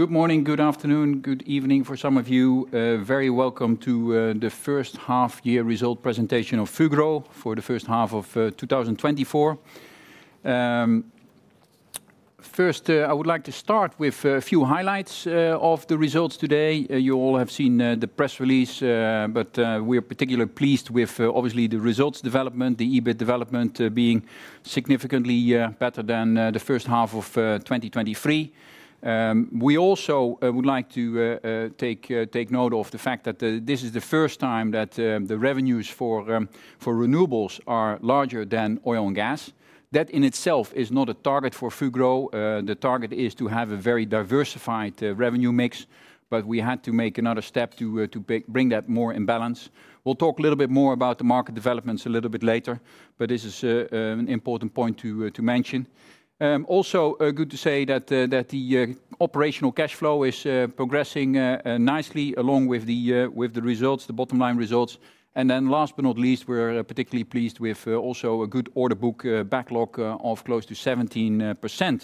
Good morning, good afternoon, good evening for some of you. Very welcome to the first half year result presentation of Fugro for the first half of 2024. First, I would like to start with a few highlights of the results today. You all have seen the press release, but we are particularly pleased with, obviously, the results development, the EBIT development, being significantly better than the first half of 2023. We also would like to take note of the fact that this is the first time that the revenues for renewables are larger than oil and gas. That, in itself, is not a target for Fugro. The target is to have a very diversified revenue mix, but we had to make another step to bring that more in balance. We'll talk a little bit more about the market developments a little bit later, but this is an important point to mention. Also, good to say that the operational cash flow is progressing nicely, along with the results, the bottom line results. And then last but not least, we're particularly pleased with also a good order book, backlog, of close to 17%.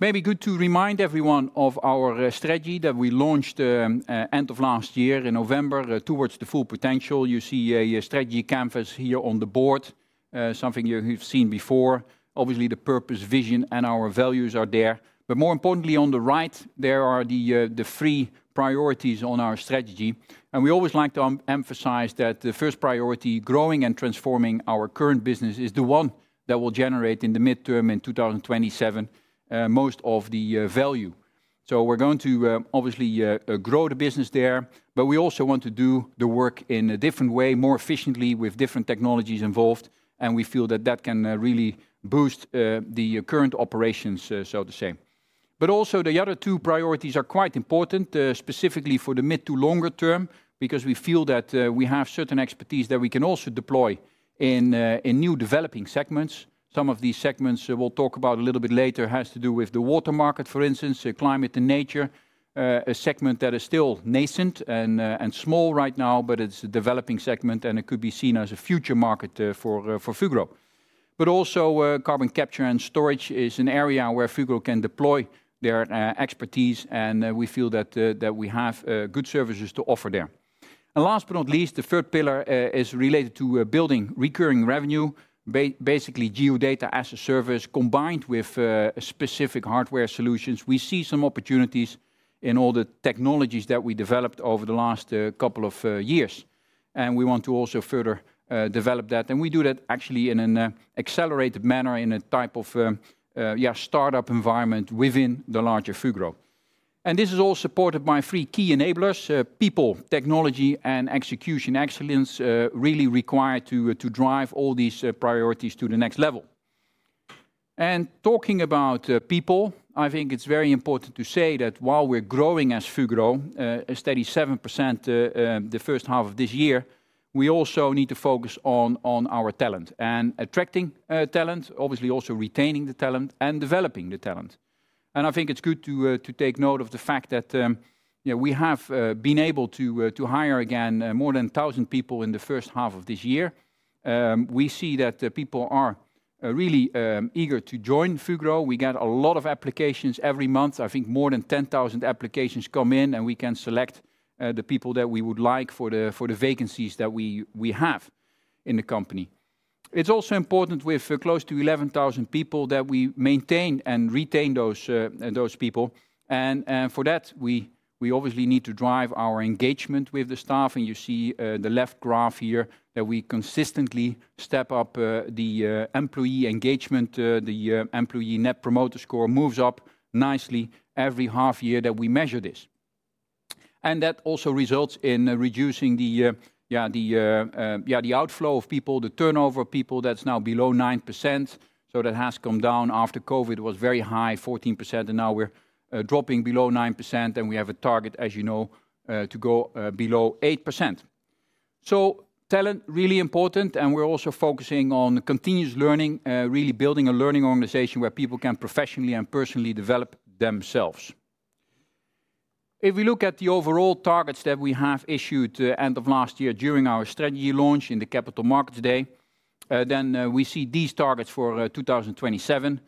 Maybe good to remind everyone of our strategy that we launched end of last year in November, towards the full potential. You see a strategy canvas here on the board, something you've seen before. Obviously, the purpose, vision, and our values are there, but more importantly, on the right, there are the three priorities on our strategy, and we always like to emphasize that the first priority, growing and transforming our current business, is the one that will generate in the mid-term, in 2027, most of the value. So we're going to obviously grow the business there, but we also want to do the work in a different way, more efficiently, with different technologies involved, and we feel that that can really boost the current operations, so to say. But also, the other two priorities are quite important, specifically for the mid to longer term, because we feel that we have certain expertise that we can also deploy in in new developing segments. Some of these segments, we'll talk about a little bit later, has to do with the water market, for instance, climate and nature, a segment that is still nascent and, and small right now, but it's a developing segment, and it could be seen as a future market, for, for Fugro. But also, carbon capture and storage is an area where Fugro can deploy their expertise, and, we feel that, that we have, good services to offer there. And last but not least, the third pillar, is related to, building recurring revenue, basically geodata as a service, combined with, specific hardware solutions. We see some opportunities in all the technologies that we developed over the last couple of years, and we want to also further develop that, and we do that actually in an accelerated manner, in a type of startup environment within the larger Fugro. This is all supported by three key enablers: people, technology, and execution excellence really required to drive all these priorities to the next level. Talking about people, I think it's very important to say that while we're growing as Fugro a steady 7% the first half of this year, we also need to focus on our talent and attracting talent, obviously, also retaining the talent and developing the talent. I think it's good to take note of the fact that, yeah, we have been able to hire again more than 1,000 people in the first half of this year. We see that the people are really eager to join Fugro. We get a lot of applications every month. I think more than 10,000 applications come in, and we can select the people that we would like for the vacancies that we have in the company. It's also important with close to 11,000 people, that we maintain and retain those people, and for that, we obviously need to drive our engagement with the staff, and you see the left graph here, that we consistently step up the employee engagement. The Employee Net Promoter Score moves up nicely every half year that we measure this. And that also results in reducing the outflow of people, the turnover of people. That's now below 9%, so that has come down. After COVID, it was very high, 14%, and now we're dropping below 9%, and we have a target, as you know, to go below 8%. So talent, really important, and we're also focusing on continuous learning, really building a learning organization where people can professionally and personally develop themselves. If we look at the overall targets that we have issued, end of last year during our strategy launch in the Capital Markets Day, then we see these targets for 2027,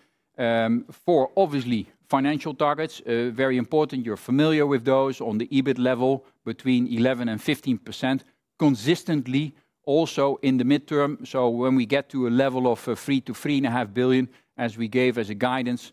for obviously financial targets, very important. You're familiar with those on the EBIT level, between 11% and 15%, consistently, also in the mid-term, so when we get to a level of 3 billion-3.5 billion, as we gave as a guidance,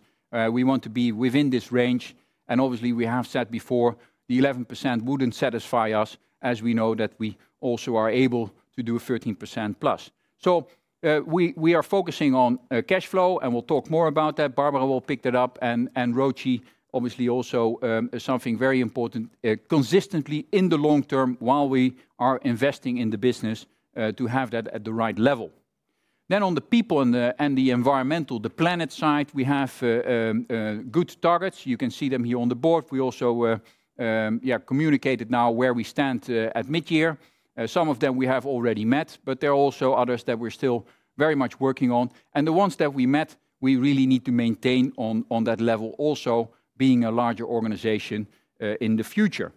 we want to be within this range, and obviously, we have said before, the 11% wouldn't satisfy us, as we know that we also are able to do a 13%+. So, we are focusing on cash flow, and we'll talk more about that. Barbara will pick that up, and ROIC, obviously, also is something very important, consistently in the long term, while we are investing in the business, to have that at the right level. Then on the people and the environmental, the planet side, we have good targets. You can see them here on the board. We also, yeah, communicated now where we stand at midyear. Some of them we have already met, but there are also others that we're still very much working on, and the ones that we met, we really need to maintain on, on that level, also being a larger organization in the future.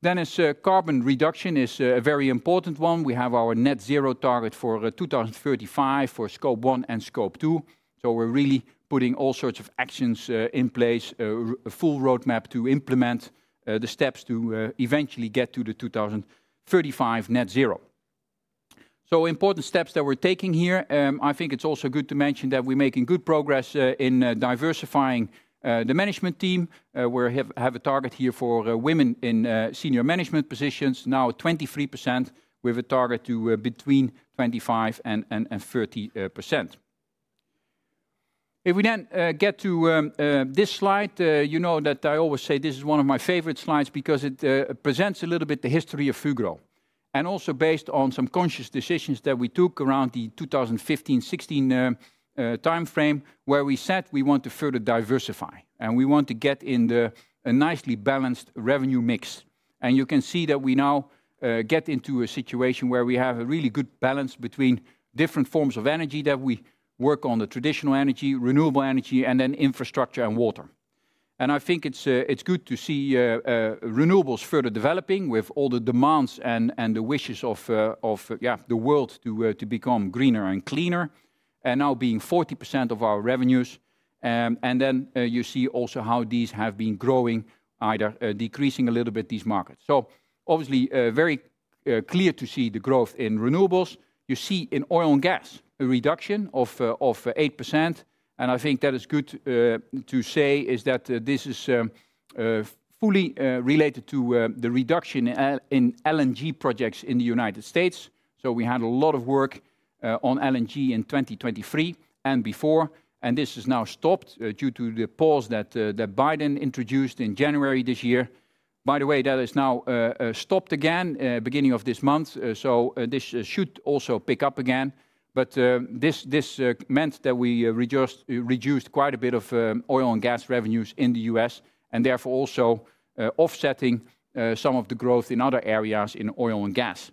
Then, carbon reduction is a very important one. We have our net zero target for 2035 for Scope 1 and Scope 2, so we're really putting all sorts of actions in place, a full roadmap to implement the steps to eventually get to the 2035 net zero. So important steps that we're taking here. I think it's also good to mention that we're making good progress in diversifying the management team. We have a target here for women in senior management positions, now 23%, with a target to between 25% and 30%. If we then get to this slide, you know that I always say this is one of my favorite slides because it presents a little bit the history of Fugro, and also based on some conscious decisions that we took around the 2015, 2016 timeframe, where we said we want to further diversify, and we want to get into a nicely balanced revenue mix. And you can see that we now get into a situation where we have a really good balance between different forms of energy, that we work on the traditional energy, renewable energy, and then infrastructure and water. I think it's good to see renewables further developing with all the demands and the wishes of the world to become greener and cleaner, and now being 40% of our revenues. And then you see also how these have been growing, either decreasing a little bit, these markets. So obviously very clear to see the growth in renewables. You see in oil and gas a reduction of 8%, and I think that is good to say is that this is fully related to the reduction in LNG projects in the United States. So we had a lot of work on LNG in 2023 and before, and this is now stopped due to the pause that that Biden introduced in January this year. By the way, that is now stopped again beginning of this month, so this should also pick up again. But this this meant that we reduced reduced quite a bit of oil and gas revenues in the U.S. and therefore also offsetting some of the growth in other areas in oil and gas.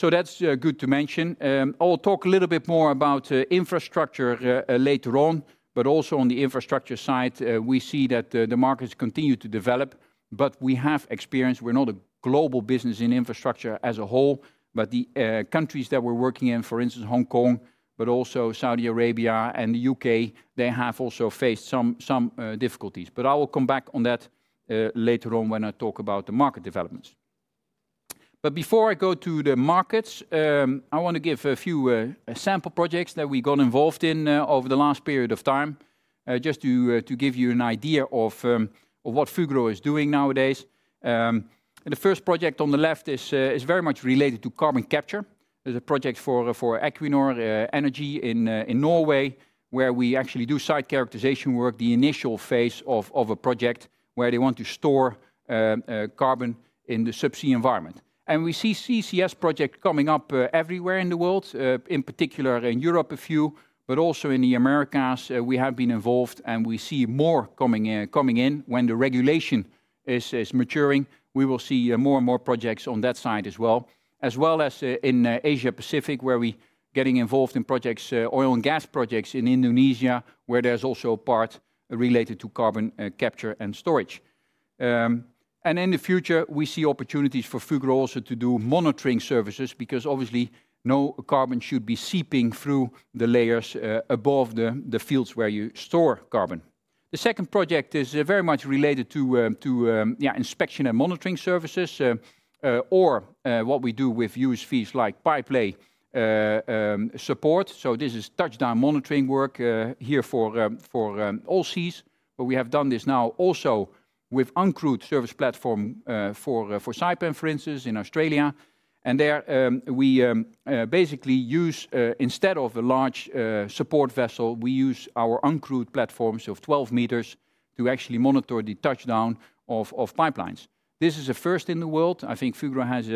So that's good to mention. I'll talk a little bit more about infrastructure later on, but also on the infrastructure side we see that the the markets continue to develop, but we have experience. We're not a global business in infrastructure as a whole, but the countries that we're working in, for instance, Hong Kong, but also Saudi Arabia and the U.K., they have also faced some difficulties. But I will come back on that later on when I talk about the market developments. But before I go to the markets, I want to give a few sample projects that we got involved in over the last period of time, just to give you an idea of what Fugro is doing nowadays. And the first project on the left is very much related to carbon capture. There's a project for Equinor Energy in Norway, where we actually do site characterization work, the initial phase of a project where they want to store carbon in the subsea environment. And we see CCS project coming up everywhere in the world, in particular in Europe, a few, but also in the Americas, we have been involved, and we see more coming in. When the regulation is maturing, we will see more and more projects on that side as well. As well as in Asia-Pacific, where we getting involved in projects, oil and gas projects in Indonesia, where there's also a part related to carbon capture and storage. And in the future, we see opportunities for Fugro also to do monitoring services because obviously, no carbon should be seeping through the layers above the fields where you store carbon. The second project is very much related to inspection and monitoring services, or what we do with USVs like pipe lay support. So this is touchdown monitoring work here for Allseas, but we have done this now also with uncrewed service platform for Saipem, for instance, in Australia. And there, we basically use, instead of a large support vessel, we use our uncrewed platforms of 12 meters to actually monitor the touchdown of pipelines. This is a first in the world. I think Fugro has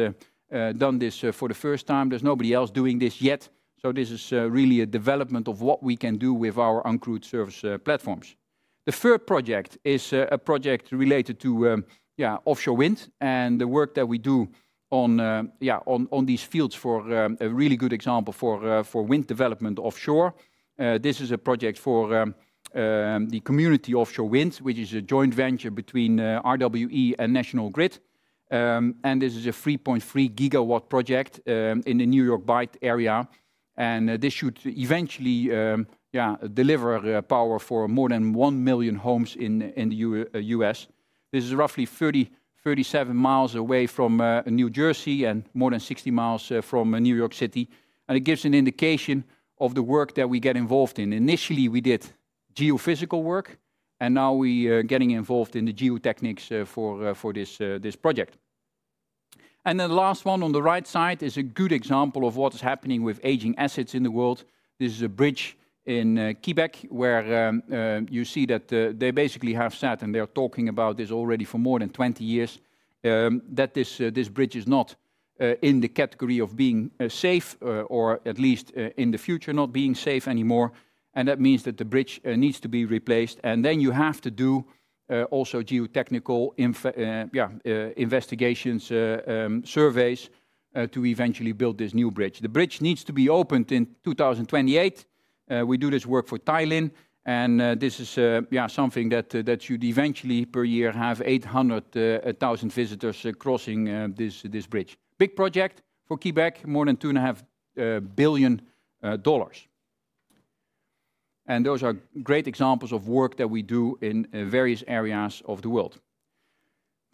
done this for the first time. There's nobody else doing this yet, so this is really a development of what we can do with our uncrewed service platforms. The third project is a project related to offshore wind and the work that we do on these fields for a really good example for wind development offshore. This is a project for the Community Offshore Wind, which is a joint venture between RWE and National Grid. And this is a 3.3 GW project in the New York Bight area, and this should eventually deliver power for more than 1 million homes in the U.S.. This is roughly 37 mi away from New Jersey and more than 60 mi from New York City, and it gives an indication of the work that we get involved in. Initially, we did geophysical work, and now we are getting involved in the geotechnical for this project. And the last one on the right side is a good example of what is happening with aging assets in the world. This is a bridge in Quebec, where you see that they basically have said, and they are talking about this already for more than 20 years, that this bridge is not in the category of being safe, or at least, in the future, not being safe anymore. That means that the bridge needs to be replaced, and then you have to do also geotechnical investigations, surveys to eventually build this new bridge. The bridge needs to be opened in 2028. We do this work for TYLin, and this is something that should eventually per year have 800,000 visitors crossing this bridge. Big project for Quebec, more than $2.5 billion. Those are great examples of work that we do in various areas of the world.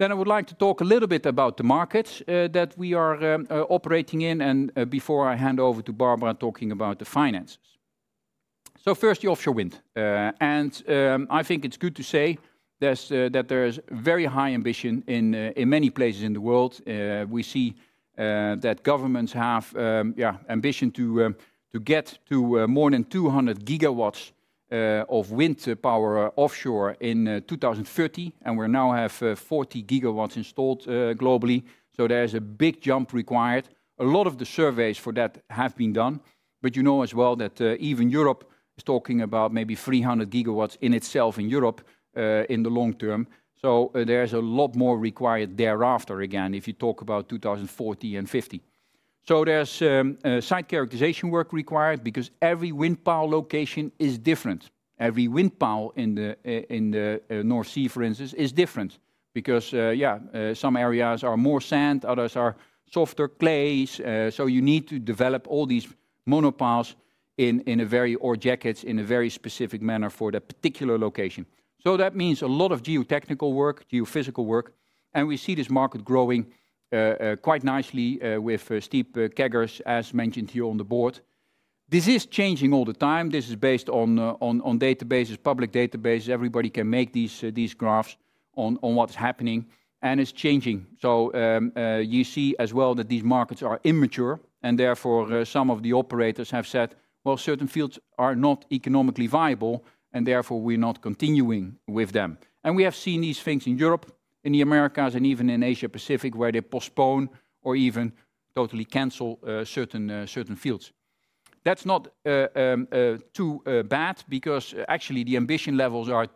I would like to talk a little bit about the markets that we are operating in, and before I hand over to Barbara, talking about the finances. First, the offshore wind. I think it's good to say there's very high ambition in many places in the world. We see that governments have ambition to get to more than 200 GW of wind power offshore in 2030, and we now have 40 GW installed globally, so there is a big jump required. A lot of the surveys for that have been done, but you know as well that even Europe is talking about maybe 300 GW in itself in Europe in the long term, so there's a lot more required thereafter again, if you talk about 2040 and 2050. So there's site characterization work required because every wind power location is different. Every wind power in the North Sea, for instance, is different because, yeah, some areas are more sand, others are softer clays. So you need to develop all these monopiles in a very or jackets in a very specific manner for that particular location. So that means a lot of geotechnical work, geophysical work, and we see this market growing quite nicely with steep CAGRs, as mentioned here on the board. This is changing all the time. This is based on databases, public databases. Everybody can make these graphs on what's happening, and it's changing. So, you see as well that these markets are immature, and therefore, some of the operators have said, "Well, certain fields are not economically viable, and therefore, we're not continuing with them." We have seen these things in Europe, in the Americas, and even in Asia Pacific, where they postpone or even totally cancel certain fields. That's not too bad because actually the ambition levels are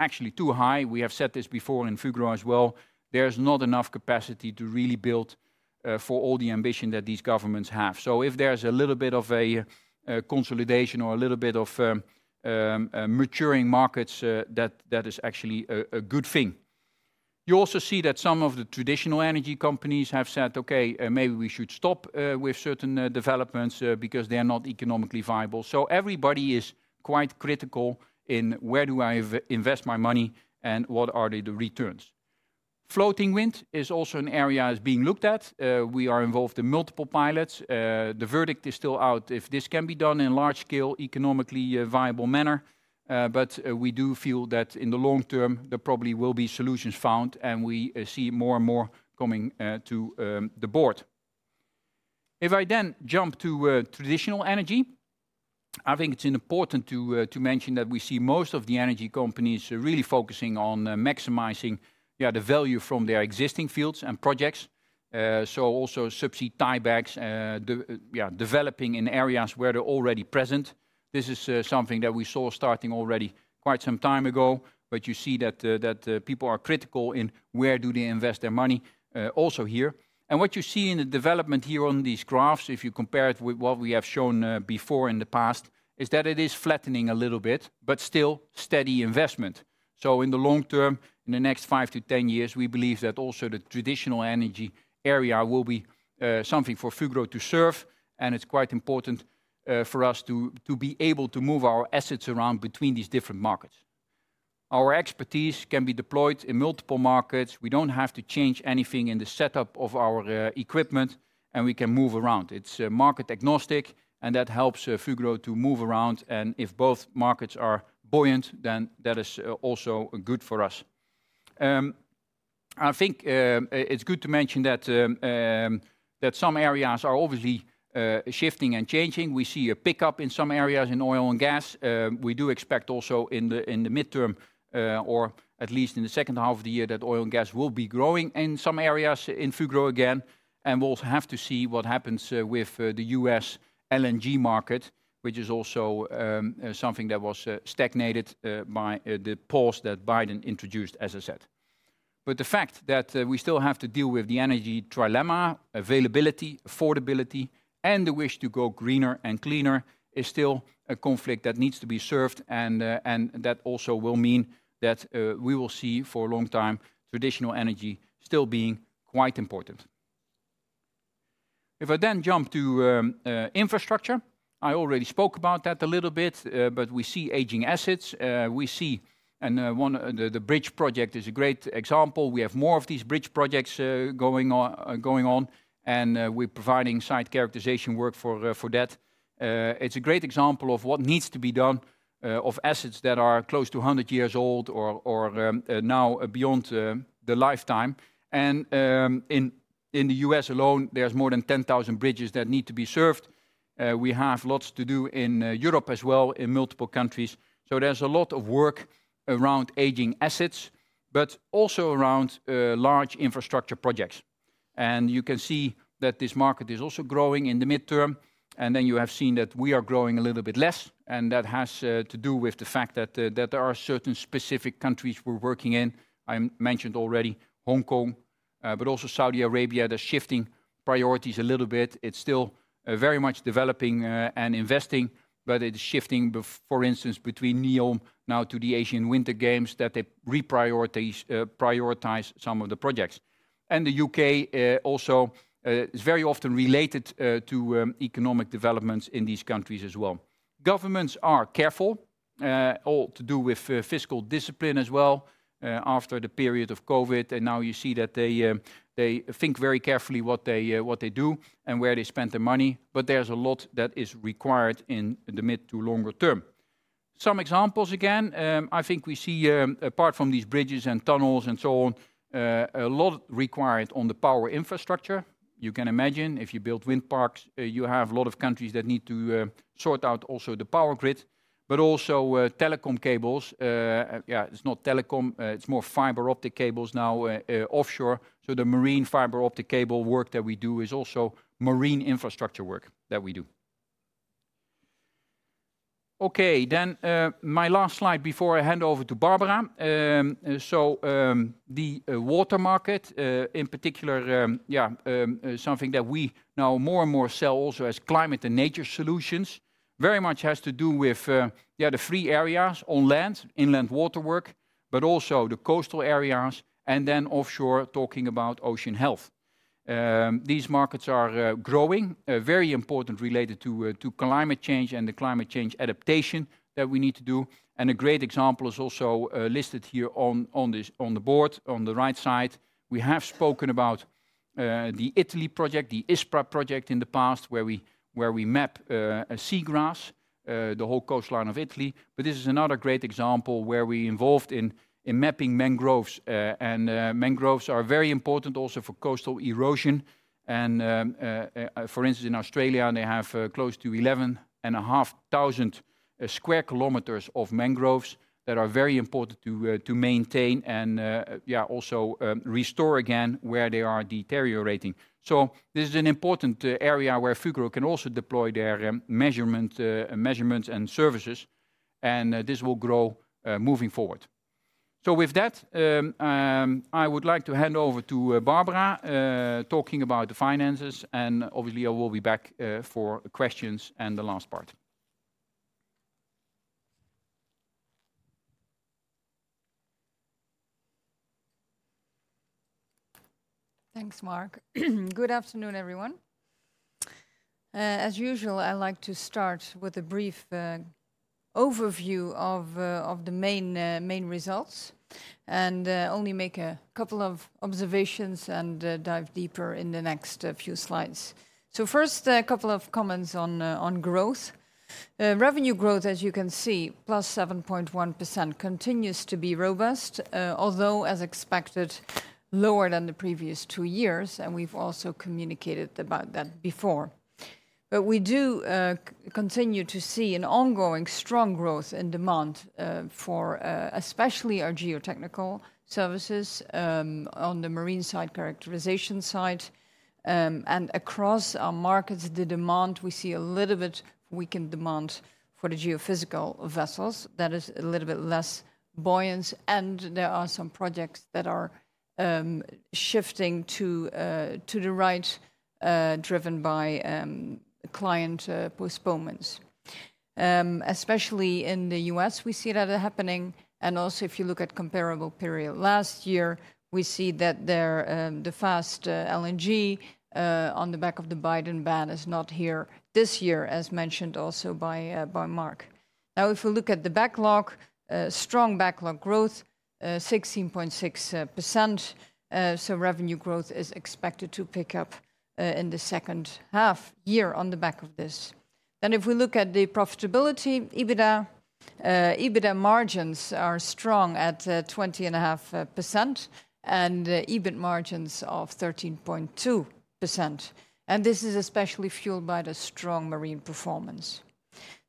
actually too high. We have said this before in Fugro as well. There's not enough capacity to really build for all the ambition that these governments have. So if there's a little bit of a consolidation or a little bit of maturing markets, that is actually a good thing. You also see that some of the traditional energy companies have said, "Okay, maybe we should stop with certain developments because they are not economically viable." So everybody is quite critical in: Where do I invest my money, and what are the returns? Floating wind is also an area that's being looked at. We are involved in multiple pilots. The verdict is still out if this can be done in large scale, economically viable manner, but we do feel that in the long term, there probably will be solutions found, and we see more and more coming to the board. If I then jump to traditional energy, I think it's important to mention that we see most of the energy companies really focusing on maximizing the value from their existing fields and projects. So also subsea tiebacks, the developing in areas where they're already present. This is something that we saw starting already quite some time ago, but you see that people are critical in where do they invest their money also here. And what you see in the development here on these graphs, if you compare it with what we have shown before in the past, is that it is flattening a little bit, but still steady investment. So in the long term, in the next 5-10 years, we believe that also the traditional energy area will be something for Fugro to serve, and it's quite important for us to be able to move our assets around between these different markets. Our expertise can be deployed in multiple markets. We don't have to change anything in the setup of our equipment, and we can move around. It's market agnostic, and that helps Fugro to move around, and if both markets are buoyant, then that is also good for us. I think it's good to mention that some areas are obviously shifting and changing. We see a pickup in some areas in oil and gas. We do expect also in the midterm, or at least in the second half of the year, that oil and gas will be growing in some areas in Fugro again, and we'll have to see what happens with the U.S. LNG market, which is also something that was stagnated by the pause that Biden introduced, as I said. But the fact that we still have to deal with the energy trilemma, availability, affordability, and the wish to go greener and cleaner, is still a conflict that needs to be served, and that also will mean that we will see, for a long time, traditional energy still being quite important. If I then jump to infrastructure, I already spoke about that a little bit, but we see aging assets. We see the bridge project is a great example. We have more of these bridge projects going on, and we're providing site characterization work for that. It's a great example of what needs to be done of assets that are close to 100 years old or now beyond the lifetime. In the U.S. alone, there's more than 10,000 bridges that need to be served. We have lots to do in Europe as well, in multiple countries, so there's a lot of work around aging assets, but also around large infrastructure projects. You can see that this market is also growing in the midterm, and then you have seen that we are growing a little bit less, and that has to do with the fact that there are certain specific countries we're working in. I mentioned already Hong Kong, but also Saudi Arabia. They're shifting priorities a little bit. It's still very much developing and investing, but it's shifting, for instance, between NEOM now to the Asian Winter Games, that they reprioritize some of the projects. And the U.K. also is very often related to economic developments in these countries as well. Governments are careful, all to do with fiscal discipline as well, after the period of COVID, and now you see that they think very carefully what they do and where they spend their money, but there's a lot that is required in the mid to longer term. Some examples again, I think we see, apart from these bridges and tunnels and so on, a lot required on the power infrastructure. You can imagine if you build wind parks, you have a lot of countries that need to sort out also the power grid, but also telecom cables. Yeah, it's not telecom, it's more fiber optic cables now, offshore, so the marine fiber optic cable work that we do is also marine infrastructure work that we do. Okay, then, my last slide before I hand over to Barbara. So, the water market, in particular, yeah, something that we now more and more sell also as climate and nature solutions, very much has to do with, yeah, the three areas on land, inland waterwork, but also the coastal areas, and then offshore, talking about ocean health. These markets are growing very important related to climate change and the climate change adaptation that we need to do. And a great example is also listed here on this board, on the right side. We have spoken about the Italy project, the ISPRA project in the past, where we map seagrass the whole coastline of Italy. But this is another great example where we involved in mapping mangroves. Mangroves are very important also for coastal erosion, and for instance, in Australia, they have close to 11,500 square kilometers of mangroves that are very important to maintain and yeah also restore again where they are deteriorating. So this is an important area where Fugro can also deploy their measurements and services, and this will grow moving forward. So with that, I would like to hand over to Barbara talking about the finances, and obviously I will be back for questions and the last part. Thanks, Mark. Good afternoon, everyone. As usual, I'd like to start with a brief overview of the main results, and only make a couple of observations and dive deeper in the next few slides. So first, a couple of comments on growth. Revenue growth, as you can see, +7.1% continues to be robust, although as expected, lower than the previous two years, and we've also communicated about that before. But we do continue to see an ongoing strong growth and demand for especially our geotechnical services, on the marine side, characterization side. Across our markets, the demand we see a little bit weakened demand for the geophysical vessels that is a little bit less buoyant, and there are some projects that are shifting to the right, driven by client postponements. Especially in the U.S., we see that happening, and also if you look at comparable period last year, we see that the fast LNG on the back of the Biden ban is not here this year, as mentioned also by Mark. Now, if we look at the backlog, strong backlog growth, 16.6%, so revenue growth is expected to pick up in the second half year on the back of this. Then if we look at the profitability, EBITDA margins are strong at 20.5%, and EBIT margins of 13.2%, and this is especially fueled by the strong marine performance.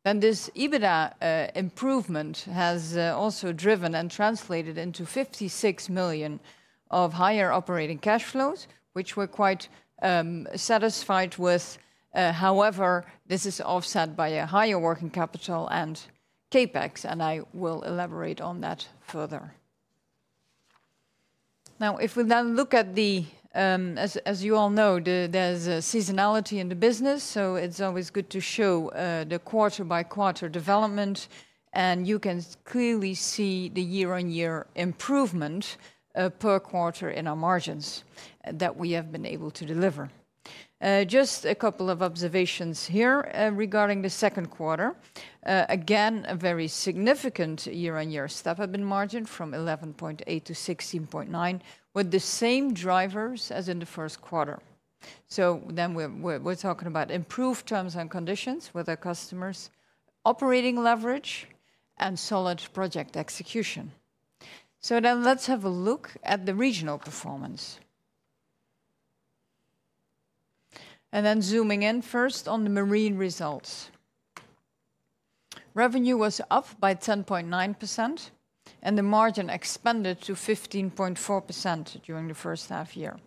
Then this EBITDA improvement has also driven and translated into 56 million of higher operating cash flows, which we're quite satisfied with, however, this is offset by a higher working capital and CapEx, and I will elaborate on that further. Now, if we then look at the... As you all know, there's a seasonality in the business, so it's always good to show the quarter-by-quarter development, and you can clearly see the year-on-year improvement per quarter in our margins that we have been able to deliver. Just a couple of observations here regarding the second quarter. Again, a very significant year-on-year step-up in margin from 11.8 to 16.9, with the same drivers as in the first quarter. So then we're talking about improved terms and conditions with our customers, operating leverage, and solid project execution. So now let's have a look at the regional performance. Then zooming in first on the marine results. Revenue was up by 10.9%, and the margin expanded to 15.4% during the first half year.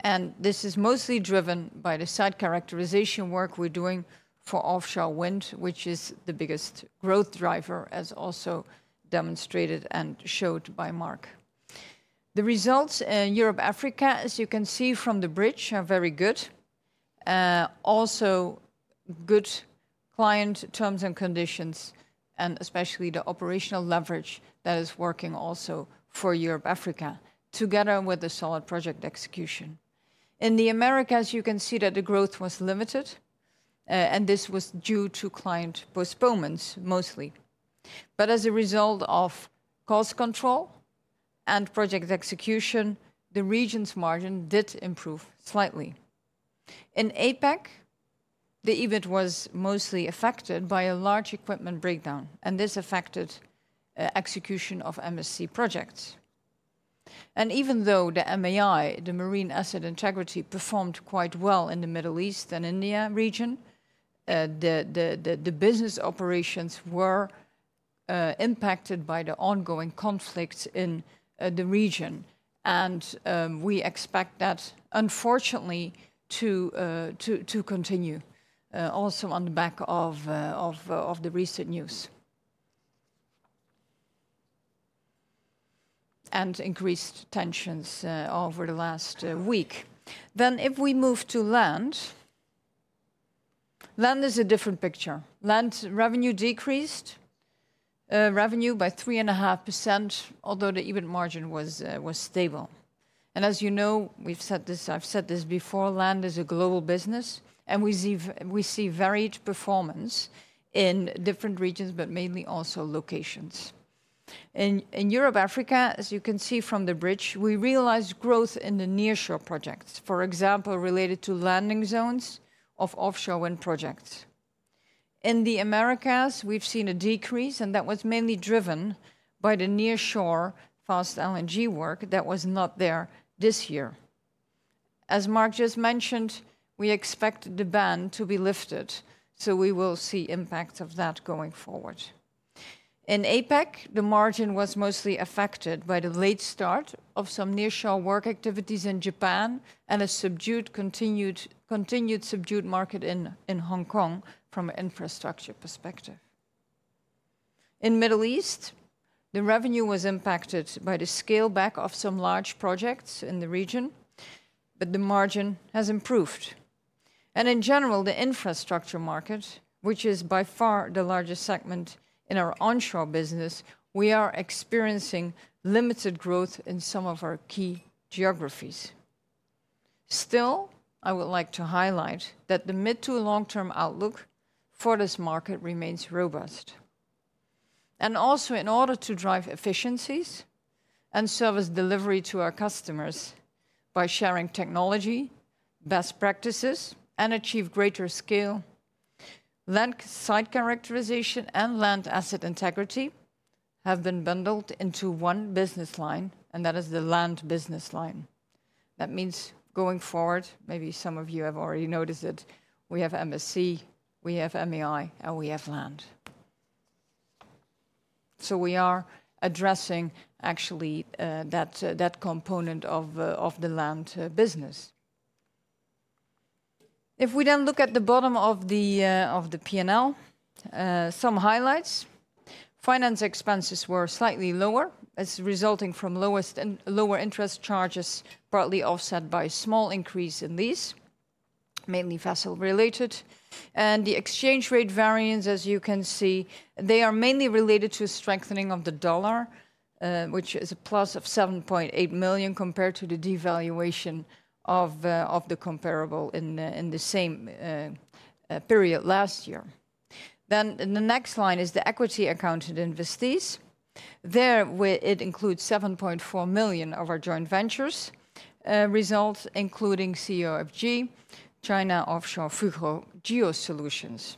And this is mostly driven by the site characterization work we're doing for offshore wind, which is the biggest growth driver, as also demonstrated and showed by Mark. The results in Europe, Africa, as you can see from the bridge, are very good. Also good client terms and conditions, and especially the operational leverage that is working also for Europe, Africa, together with the solid project execution. In the Americas, you can see that the growth was limited, and this was due to client postponements mostly. But as a result of cost control and project execution, the region's margin did improve slightly. In APAC, the EBIT was mostly affected by a large equipment breakdown, and this affected execution of MSC projects. And even though the MAI, the Marine Asset Integrity, performed quite well in the Middle East and India region, the business operations were impacted by the ongoing conflict in the region. We expect that unfortunately to continue also on the back of the recent news. And increased tensions over the last week. Then, if we move to land, land is a different picture. Land revenue decreased revenue by 3.5%, although the EBIT margin was stable. And as you know, we've said this, I've said this before, land is a global business, and we see varied performance in different regions, but mainly also locations. In Europe, Africa, as you can see from the bridge, we realized growth in the nearshore projects, for example, related to landing zones of offshore wind projects. In the Americas, we've seen a decrease, and that was mainly driven by the nearshore fast LNG work that was not there this year. As Mark just mentioned, we expect the ban to be lifted, so we will see impact of that going forward. In APAC, the margin was mostly affected by the late start of some nearshore work activities in Japan and a subdued continued subdued market in Hong Kong from an infrastructure perspective. In Middle East, the revenue was impacted by the scale back of some large projects in the region, but the margin has improved. In general, the infrastructure market, which is by far the largest segment in our onshore business, we are experiencing limited growth in some of our key geographies. Still, I would like to highlight that the mid to long-term outlook for this market remains robust. Also, in order to drive efficiencies and service delivery to our customers by sharing technology, best practices, and achieve greater scale, land site characterization and land asset integrity have been bundled into one business line, and that is the land business line. That means going forward, maybe some of you have already noticed it, we have MSC, we have MAI, and we have land. So we are addressing actually, that, that component of, of the land, business. If we then look at the bottom of the, of the P&L, some highlights. Finance expenses were slightly lower as resulting from lowest, and lower interest charges, partly offset by a small increase in these, mainly vessel related. And the exchange rate variance, as you can see, they are mainly related to strengthening of the dollar, which is a plus of 7.8 million, compared to the devaluation of, of the comparable in, in the same, period last year. Then the next line is the equity accounted investees. There, where it includes 7.4 million of our joint ventures, results, including COFG, China Offshore Fugro Geosolutions.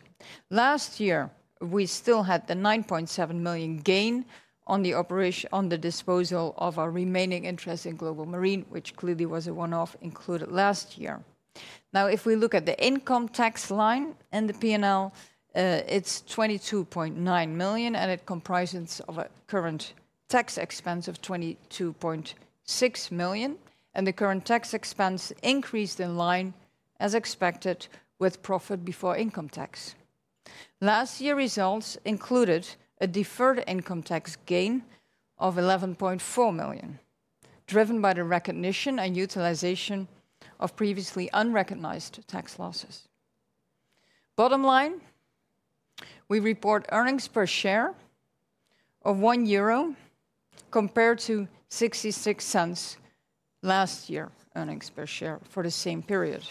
Last year, we still had the 9.7 million gain on the disposal of our remaining interest in Global Marine, which clearly was a one-off included last year. Now, if we look at the income tax line and the P&L, it's 22.9 million, and it comprises of a current tax expense of 22.6 million, and the current tax expense increased in line as expected with profit before income tax. Last year, results included a deferred income tax gain of 11.4 million, driven by the recognition and utilization of previously unrecognized tax losses. Bottom line, we report earnings per share of 1 euro, compared to 0.66 last year, earnings per share for the same period.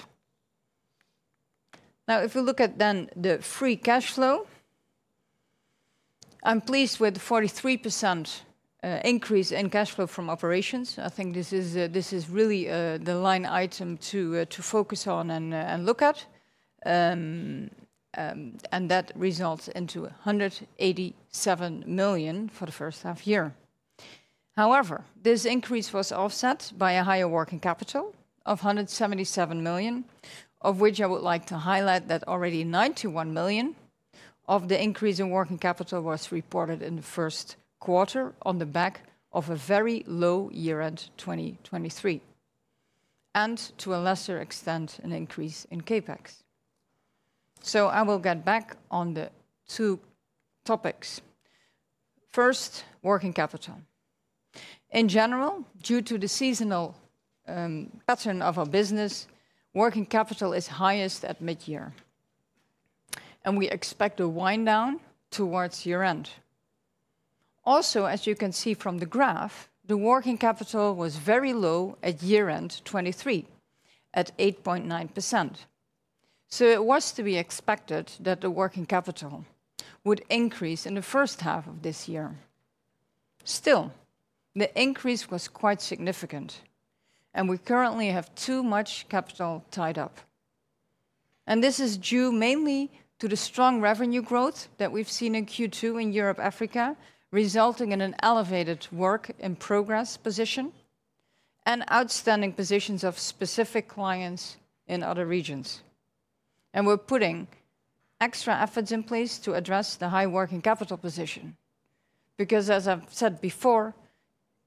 Now, if you look at then the free cash flow, I'm pleased with the 43% increase in cash flow from operations. I think this is, this is really, the line item to, to focus on and, and look at. And that results into 187 million for the first half year. However, this increase was offset by a higher working capital of 177 million, of which I would like to highlight that already 91 million of the increase in working capital was reported in the first quarter on the back of a very low year-end 2023, and to a lesser extent, an increase in CapEx. So I will get back on the two topics. First, working capital. In general, due to the seasonal pattern of our business, working capital is highest at mid-year, and we expect to wind down towards year-end. Also, as you can see from the graph, the working capital was very low at year-end 2023, at 8.9%. It was to be expected that the working capital would increase in the first half of this year. Still, the increase was quite significant, and we currently have too much capital tied up. This is due mainly to the strong revenue growth that we've seen in Q2 in Europe, Africa, resulting in an elevated work-in-progress position and outstanding positions of specific clients in other regions. We're putting extra efforts in place to address the high working capital position, because as I've said before,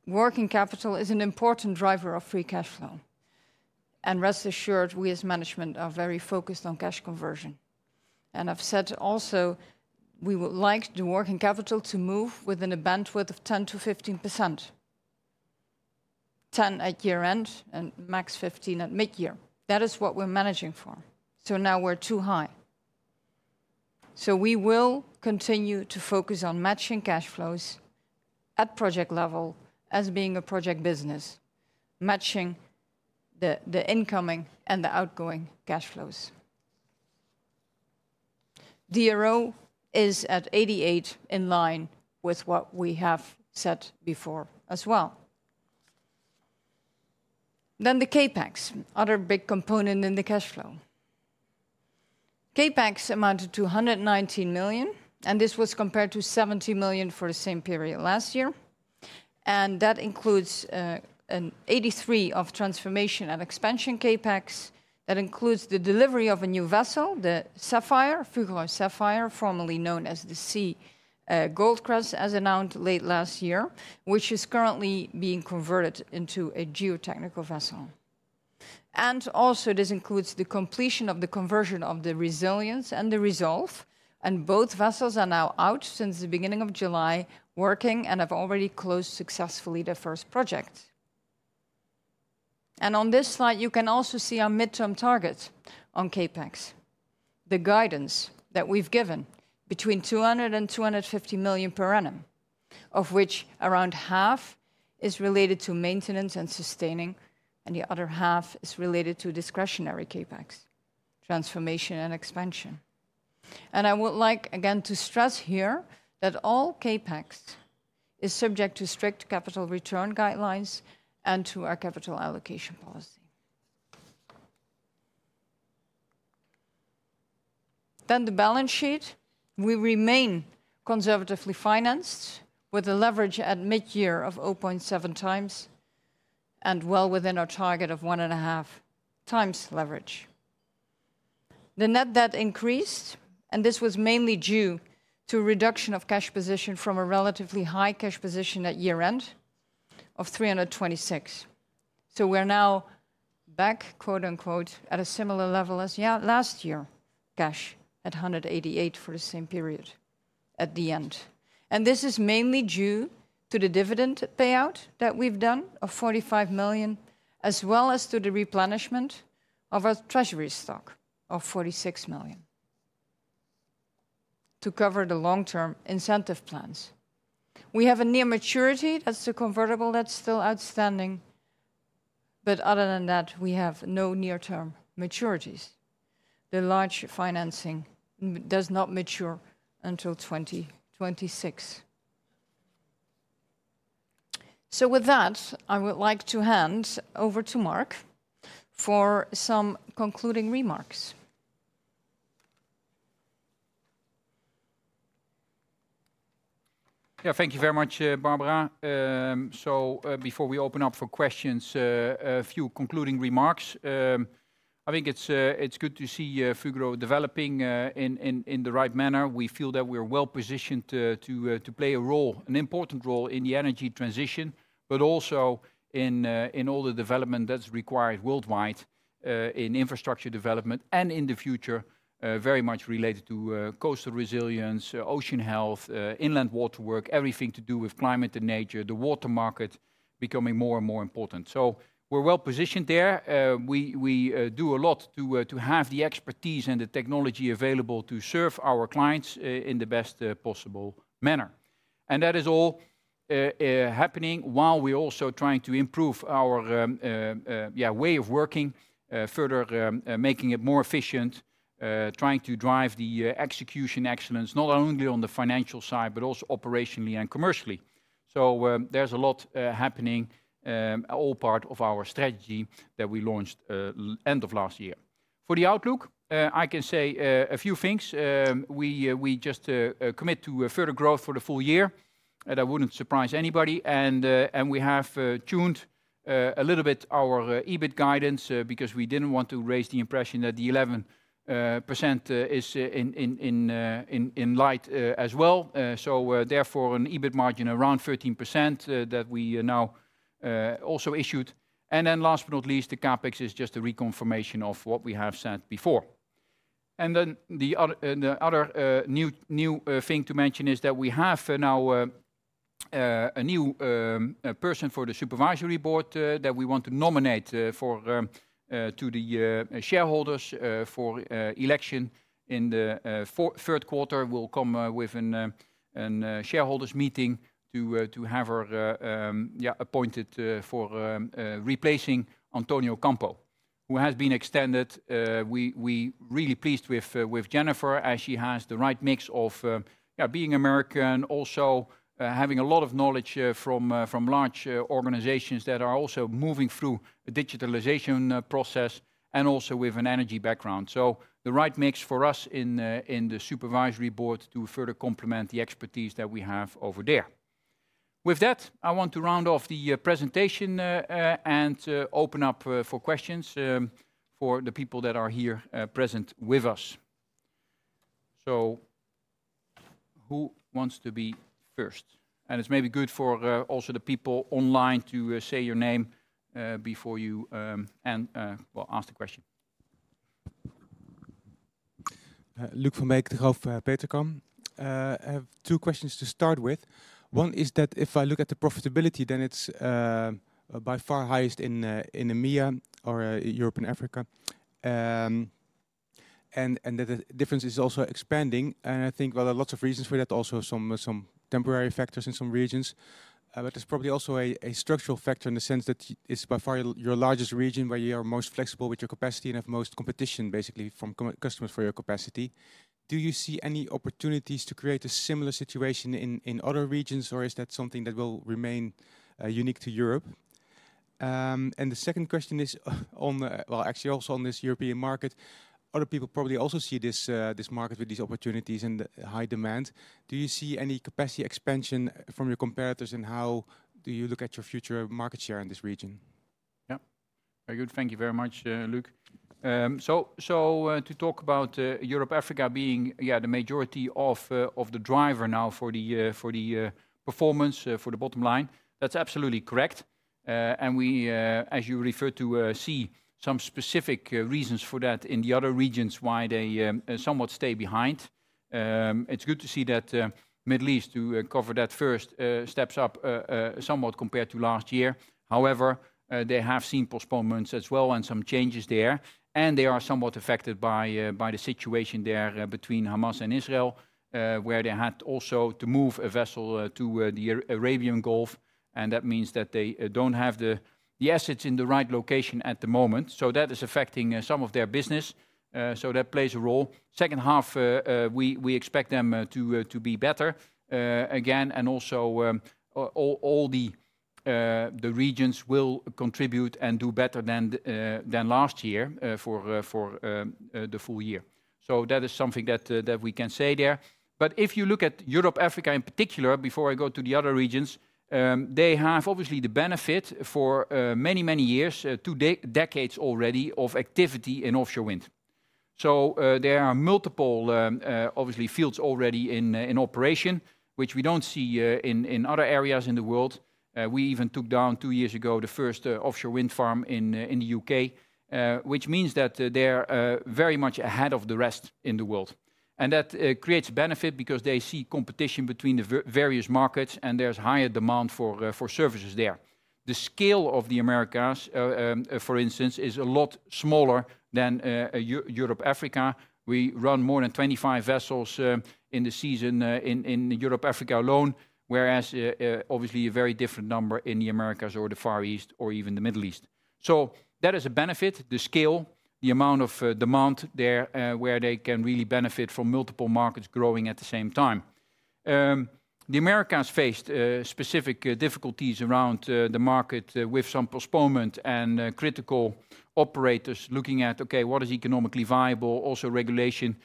working capital is an important driver of free cash flow. And rest assured, we as management are very focused on cash conversion. And I've said also, we would like the working capital to move within a bandwidth of 10%-15%, 10% at year-end and max 15% at mid-year. That is what we're managing for. So now we're too high. So we will continue to focus on matching cash flows at project level as being a project business, matching the incoming and the outgoing cash flows. DRO is at 88, in line with what we have said before as well. Then the CapEx, other big component in the cash flow. CapEx amounted to 119 million, and this was compared to 70 million for the same period last year. And that includes an 83 of transformation and expansion CapEx. That includes the delivery of a new vessel, the Sapphire, Fugro Sapphire, formerly known as the Sea Goldcrest, as announced late last year, which is currently being converted into a geotechnical vessel. Also, this includes the completion of the conversion of the Resilience and the Resolve, and both vessels are now out since the beginning of July, working and have already closed successfully their first project. On this slide, you can also see our midterm target on CapEx, the guidance that we've given between 200 million and 250 million per annum, of which around half is related to maintenance and sustaining, and the other half is related to discretionary CapEx, transformation and expansion. I would like again to stress here that all CapEx is subject to strict capital return guidelines and to our capital allocation policy. Then the balance sheet, we remain conservatively financed with a leverage at mid-year of 0.7x and well within our target of 1.5x leverage. The net debt increased, and this was mainly due to a reduction of cash position from a relatively high cash position at year-end of 326 million. So we're now back, quote unquote, to a similar level as yeah, last year, cash at 188 million for the same period at the end. And this is mainly due to the dividend payout that we've done of 45 million, as well as to the replenishment of our treasury stock of 46 million to cover the long-term incentive plans. We have a near maturity, that's the convertible that's still outstanding, but other than that, we have no near-term maturities. The large financing does not mature until 2026. With that, I would like to hand over to Mark for some concluding remarks. Yeah, thank you very much, Barbara. So, before we open up for questions, a few concluding remarks. I think it's good to see Fugro developing in the right manner. We feel that we are well-positioned to play a role, an important role in the energy transition, but also in all the development that's required worldwide, in infrastructure development, and in the future, very much related to coastal resilience, ocean health, inland water work, everything to do with climate and nature, the water market becoming more and more important. So we're well positioned there. We do a lot to have the expertise and the technology available to serve our clients in the best possible manner. That is all happening while we're also trying to improve our way of working further, making it more efficient, trying to drive the execution excellence, not only on the financial side, but also operationally and commercially. So, there's a lot happening, all part of our strategy that we launched end of last year. For the outlook, I can say a few things. We just commit to further growth for the full year, and I wouldn't surprise anybody. And we have tuned a little bit our EBIT guidance, because we didn't want to raise the impression that the 11% is in light as well. Therefore, an EBIT margin around 13% that we now also issued. Then last but not least, the CapEx is just a reconfirmation of what we have said before. Then the other new thing to mention is that we have now a new person for the supervisory board that we want to nominate to the shareholders for election in the fourth quarter. We'll come with a shareholders' meeting to have her appointed for replacing Antonio Campo, who has been extended. We're really pleased with Jennifer, as she has the right mix of yeah being American, also having a lot of knowledge from large organizations that are also moving through a digitalization process and also with an energy background. So the right mix for us in the supervisory board to further complement the expertise that we have over there. With that, I want to round off the presentation and open up for questions for the people that are here present with us. So who wants to be first? And it's maybe good for also the people online to say your name before you and well ask the question. Luuk Van Beek of Petercam. I have two questions to start with. One is that if I look at the profitability, then it's by far highest in EMEA or Europe and Africa. And the difference is also expanding, and I think there are lots of reasons for that. Also some temporary factors in some regions. But there's probably also a structural factor in the sense that it's by far your largest region, where you are most flexible with your capacity and have most competition, basically from customers for your capacity. Do you see any opportunities to create a similar situation in other regions, or is that something that will remain unique to Europe? And the second question is on the. Well, actually also on this European market, other people probably also see this, this market with these opportunities and high demand. Do you see any capacity expansion from your competitors, and how do you look at your future market share in this region? Yeah. Very good. Thank you very much, Luuk. So, to talk about Europe, Africa being yeah the majority of the driver now for the performance for the bottom line, that's absolutely correct. And we, as you refer to, see some specific reasons for that in the other regions, why they somewhat stay behind. It's good to see that Middle East, to cover that first, steps up somewhat compared to last year. However, they have seen postponements as well and some changes there, and they are somewhat affected by, by the situation there, between Hamas and Israel, where they had also to move a vessel, to, the Arabian Gulf, and that means that they, don't have the assets in the right location at the moment. So that is affecting, some of their business. So that plays a role. Second half, we expect them, to be better, again, and also, all the regions will contribute and do better than the, than last year, for the full year. So that is something that we can say there. But if you look at Europe, Africa in particular, before I go to the other regions, they have obviously the benefit for many, many years, two decades already, of activity in offshore wind. So, there are multiple, obviously, fields already in operation, which we don't see in other areas in the world. We even took down two years ago, the first offshore wind farm in the U.K., which means that they're very much ahead of the rest in the world. And that creates benefit because they see competition between the various markets, and there's higher demand for services there. The scale of the Americas, for instance, is a lot smaller than Europe, Africa. We run more than 25 vessels in the season in Europe, Africa alone, whereas obviously a very different number in the Americas or the Far East or even the Middle East. So that is a benefit, the scale, the amount of demand there, where they can really benefit from multiple markets growing at the same time. The Americas faced specific difficulties around the market with some postponement and critical operators looking at, okay, what is economically viable? Also, regulation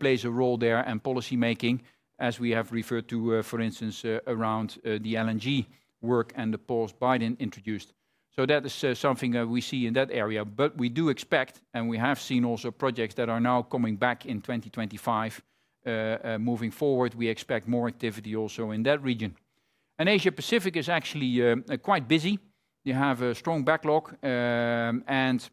plays a role there, and policymaking, as we have referred to, for instance, around the LNG work and the pause Biden introduced. So that is something that we see in that area. But we do expect, and we have seen also projects that are now coming back in 2025, moving forward. We expect more activity also in that region. Asia Pacific is actually quite busy. You have a strong backlog, and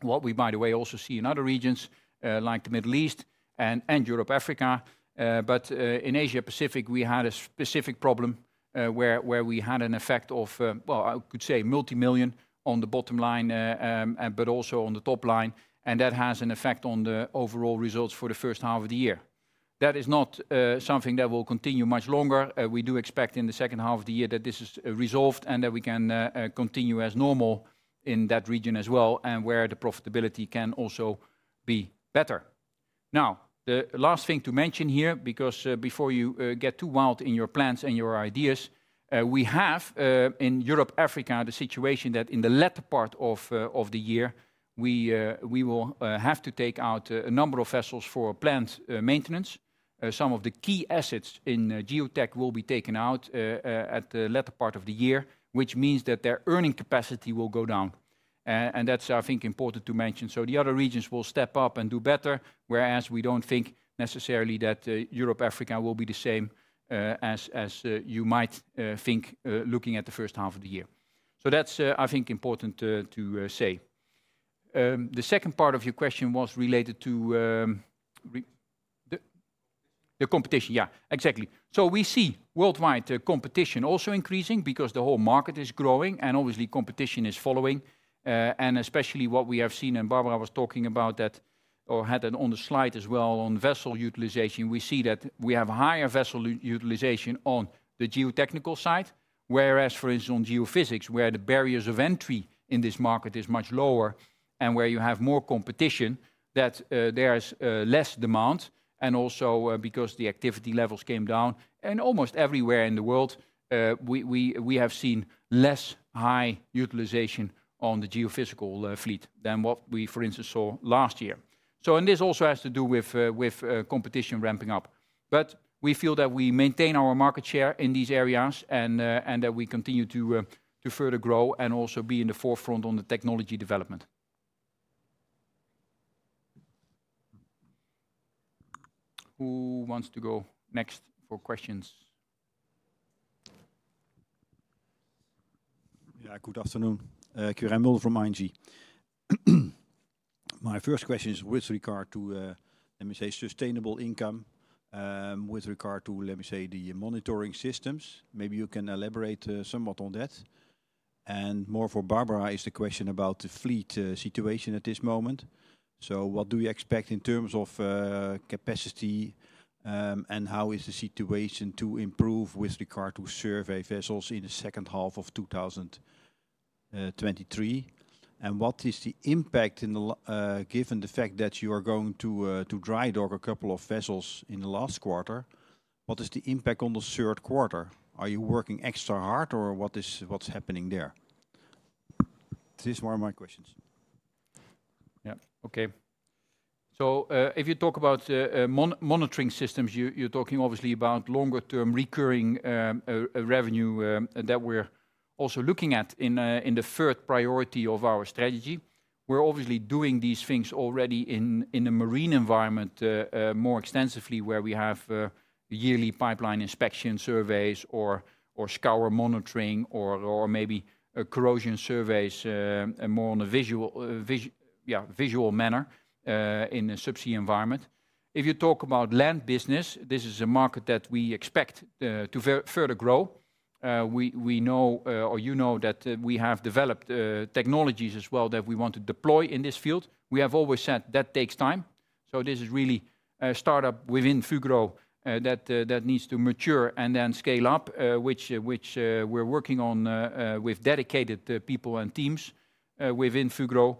what we, by the way, also see in other regions, like the Middle East and Europe, Africa, but in Asia Pacific, we had a specific problem, where we had an effect of, well, I could say multimillion on the bottom line, and but also on the top line, and that has an effect on the overall results for the first half of the year. That is not something that will continue much longer. We do expect in the second half of the year that this is resolved, and that we can continue as normal in that region as well, and where the profitability can also be better. Now, the last thing to mention here, because before you get too wild in your plans and your ideas, we have in Europe, Africa, the situation that in the latter part of the year, we will have to take out a number of vessels for planned maintenance. Some of the key assets in geotech will be taken out at the latter part of the year, which means that their earning capacity will go down. And that's, I think, important to mention. So the other regions will step up and do better, whereas we don't think necessarily that Europe, Africa will be the same, as you might think looking at the first half of the year. So that's, I think, important to say. The second part of your question was related to the. The competition, yeah, exactly. So we see worldwide competition also increasing because the whole market is growing, and obviously competition is following. And especially what we have seen, and Barbara was talking about that or had it on the slide as well, on vessel utilization, we see that we have higher vessel utilization on the geotechnical side. Whereas, for instance, on geophysics, where the barriers of entry in this market is much lower and where you have more competition, that there is less demand, and also because the activity levels came down. And almost everywhere in the world, we have seen less high utilization on the geophysical fleet than what we, for instance, saw last year. So and this also has to do with, with competition ramping up. We feel that we maintain our market share in these areas and that we continue to further grow and also be in the forefront on the technology development. Who wants to go next for questions? Yeah, good afternoon. Quirijn Mulder from ING. My first question is with regard to, let me say, sustainable income, with regard to, let me say, the monitoring systems. Maybe you can elaborate somewhat on that. And more for Barbara is the question about the fleet situation at this moment. So what do you expect in terms of capacity, and how is the situation to improve with regard to survey vessels in the second half of 2023? And what is the impact, given the fact that you are going to dry dock a couple of vessels in the last quarter, what is the impact on the third quarter? Are you working extra hard, or what's happening there? These were my questions. Yeah. Okay. So, if you talk about monitoring systems, you're talking obviously about longer-term, recurring revenue that we're also looking at in the third priority of our strategy. We're obviously doing these things already in a marine environment more extensively, where we have yearly pipeline inspection surveys or scour monitoring or maybe corrosion surveys, and more on a visual manner in a subsea environment. If you talk about land business, this is a market that we expect to further grow. We know, or you know that, we have developed technologies as well that we want to deploy in this field. We have always said that takes time, so this is really a startup within Fugro that needs to mature and then scale up, which we're working on with dedicated people and teams within Fugro.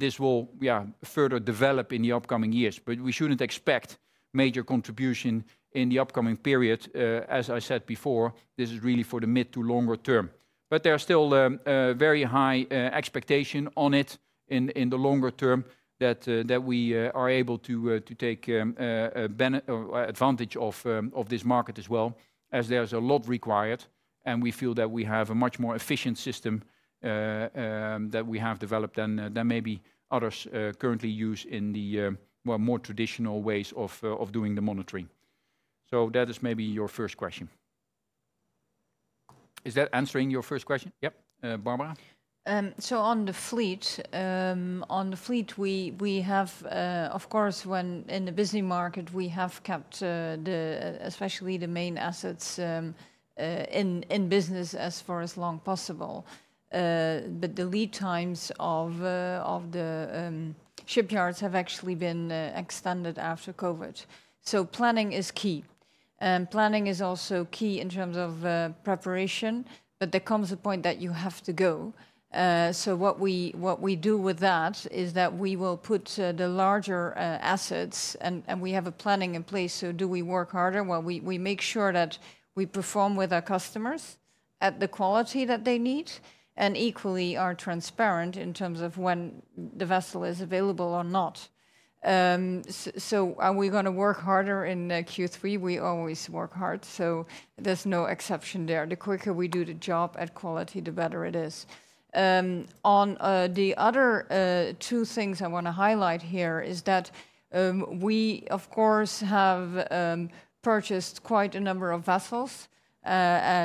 This will, yeah, further develop in the upcoming years. But we shouldn't expect major contribution in the upcoming period. As I said before, this is really for the mid to longer term. But there are still very high expectation on it in the longer term that we are able to take advantage of this market as well, as there's a lot required, and we feel that we have a much more efficient system that we have developed than maybe others currently use in the well, more traditional ways of doing the monitoring. So that is maybe your first question. Is that answering your first question? Yep. Barbara? So on the fleet, we have, of course, when in the busy market, we have kept especially the main assets in business as long as possible. But the lead times of the shipyards have actually been extended after COVID. So planning is key. Planning is also key in terms of preparation, but there comes a point that you have to go. So what we do with that is that we will put the larger assets, and we have a planning in place. So do we work harder? Well, we make sure that we perform with our customers at the quality that they need and equally are transparent in terms of when the vessel is available or not. So are we gonna work harder in Q3? We always work hard, so there's no exception there. The quicker we do the job at quality, the better it is. On the other two things I want to highlight here is that, we, of course, have purchased quite a number of vessels.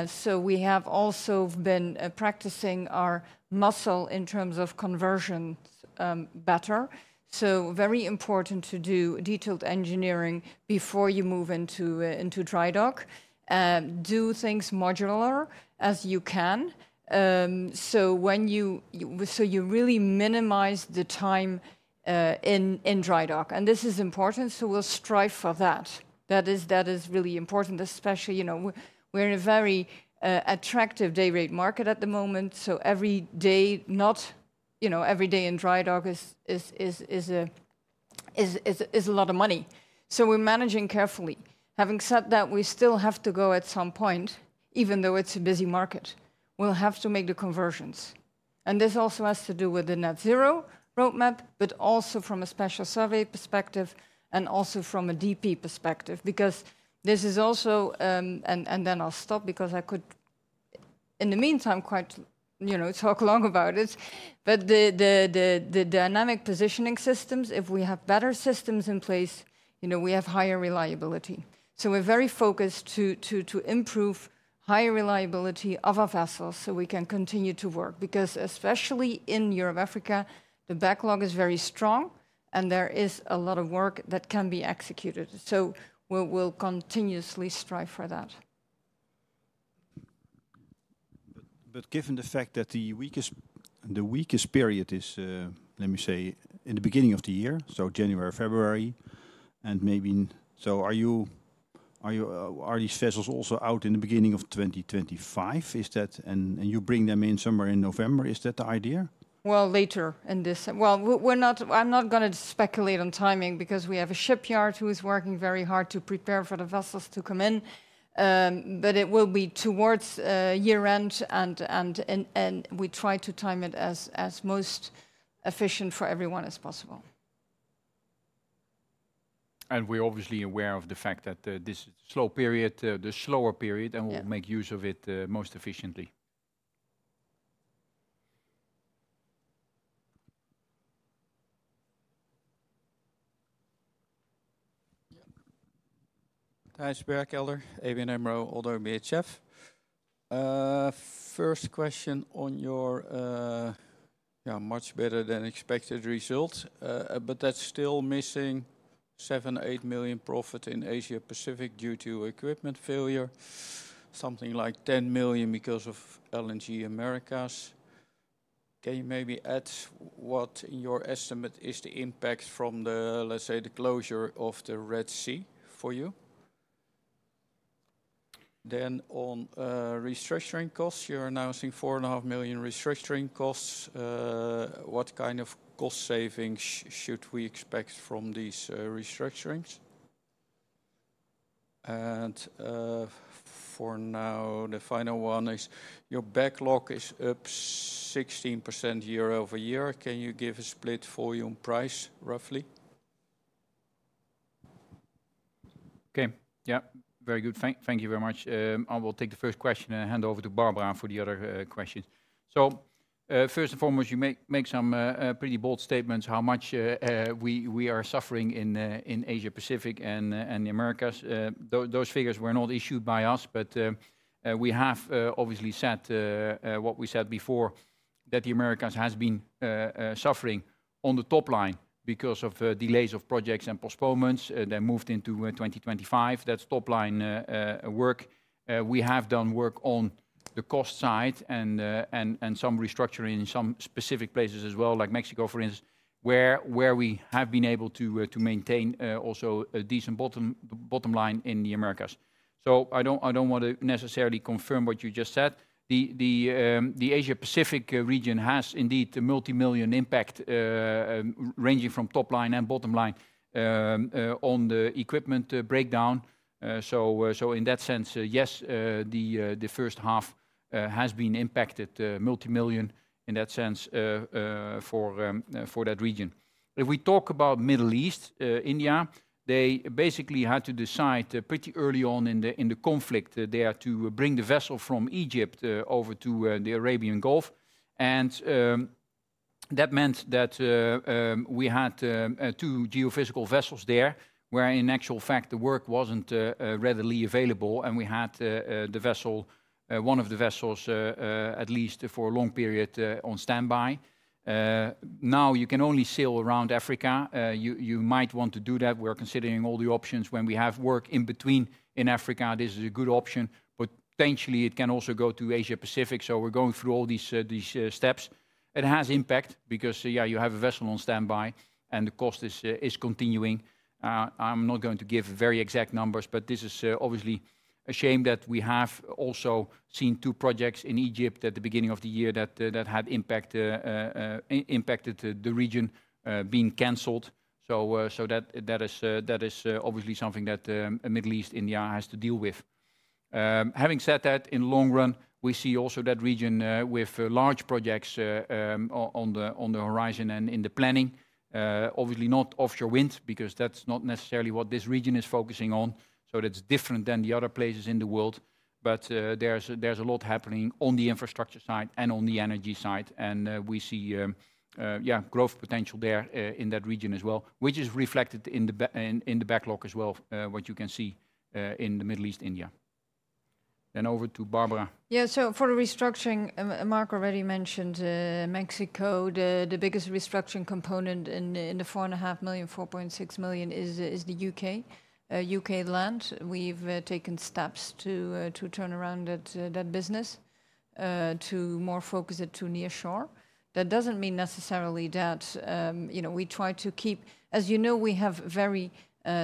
So we have also been practicing our muscle in terms of conversion, better. So very important to do detailed engineering before you move into into dry dock. Do things modular as you can, so when you- so you really minimize the time, in in dry dock, and this is important, so we'll strive for that. That is, that is really important, especially, you know, we're in a very attractive day rate market at the moment, so every day not. You know, every day in dry dock is a lot of money. So we're managing carefully. Having said that, we still have to go at some point, even though it's a busy market. We'll have to make the conversions. And this also has to do with the net zero roadmap, but also from a special survey perspective, and also from a DP perspective. Because this is also, and then I'll stop because I could, in the meantime, quite, you know, talk long about it. But the dynamic positioning systems, if we have better systems in place, you know, we have higher reliability. So we're very focused to improve higher reliability of our vessels so we can continue to work. Because especially in Europe, Africa, the backlog is very strong and there is a lot of work that can be executed, so we'll continuously strive for that. But given the fact that the weakest period is, let me say, in the beginning of the year, so January, February, and maybe. So are you, are these vessels also out in the beginning of 2025? Is that. And you bring them in somewhere in November, is that the idea? Well, we're not. I'm not gonna speculate on timing, because we have a shipyard who is working very hard to prepare for the vessels to come in. But it will be towards year-end, and we try to time it as most efficient for everyone as possible. We're obviously aware of the fact that this slow period, the slower period. Yeah. And we'll make use of it, most efficiently. Yeah. ABN AMRO ODDO BHF. First question on your, yeah, much better than expected results. But that's still missing 7-8 million profit in Asia Pacific due to equipment failure, something like 10 million because of LNG Americas. Can you maybe add what, in your estimate, is the impact from the, let's say, the closure of the Red Sea for you? Then on, restructuring costs, you're announcing 4.5 million restructuring costs. What kind of cost savings should we expect from these, restructurings? And, for now, the final one is, your backlog is up 16% year-over-year. Can you give a split volume price, roughly? Okay. Yeah, very good. Thank you very much. I will take the first question and hand over to Barbara for the other questions. So, first and foremost, you make some pretty bold statements, how much we are suffering in Asia Pacific and the Americas. Those figures were not issued by us, but we have obviously said what we said before, that the Americas has been suffering on the top line because of delays of projects and postponements that moved into 2025. That's top line work. We have done work on the cost side and some restructuring in some specific places as well, like Mexico, for instance, where we have been able to maintain also a decent bottom line in the Americas. So I don't want to necessarily confirm what you just said. The Asia Pacific region has indeed a multimillion impact, ranging from top line and bottom line, on the equipment breakdown. So in that sense, yes, the first half has been impacted, multimillion in that sense, for that region. If we talk about Middle East, India, they basically had to decide, pretty early on in the conflict there, to bring the vessel from Egypt, over to, the Arabian Gulf. And, that meant that, we had, two geophysical vessels there, where in actual fact, the work wasn't, readily available, and we had, the vessel, one of the vessels, at least for a long period, on standby. Now, you can only sail around Africa. You might want to do that. We are considering all the options when we have work in between in Africa, this is a good option, but potentially it can also go to Asia Pacific. So we're going through all these steps. It has impact because, yeah, you have a vessel on standby and the cost is continuing. I'm not going to give very exact numbers, but this is obviously a shame that we have also seen two projects in Egypt at the beginning of the year that had impact, impacted the region being canceled. So, that is obviously something that Middle East, India has to deal with. Having said that, in long run, we see also that region with large projects on the horizon and in the planning, obviously not offshore winds, because that's not necessarily what this region is focusing on, so that's different than the other places in the world. But, there's a lot happening on the infrastructure side and on the energy side, and, we see, yeah, growth potential there, in that region as well, which is reflected in the backlog as well, what you can see, in the Middle East, India. Then over to Barbara. Yeah, so for the restructuring, Mark already mentioned, Mexico, the biggest restructuring component in the 4.5 million, 4.6 million is the U.K. land. We've taken steps to turn around that business to more focus it to nearshore. That doesn't mean necessarily that, you know, we try to keep. As you know, we have very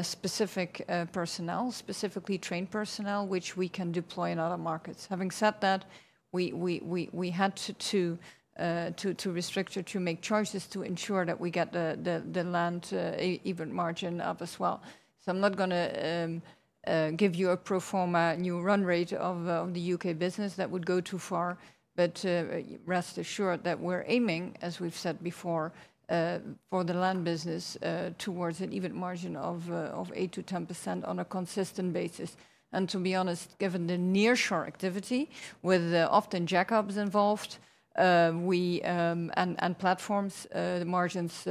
specific personnel, specifically trained personnel, which we can deploy in other markets. Having said that, we had to restrict or to make choices to ensure that we get the land even margin up as well. So I'm not gonna give you a pro forma new run rate of the U.K. business. That would go too far, but rest assured that we're aiming, as we've said before, for the land business, towards an EBIT margin of 8%-10% on a consistent basis. And to be honest, given the nearshore activity with often jack-ups involved and platforms, the margins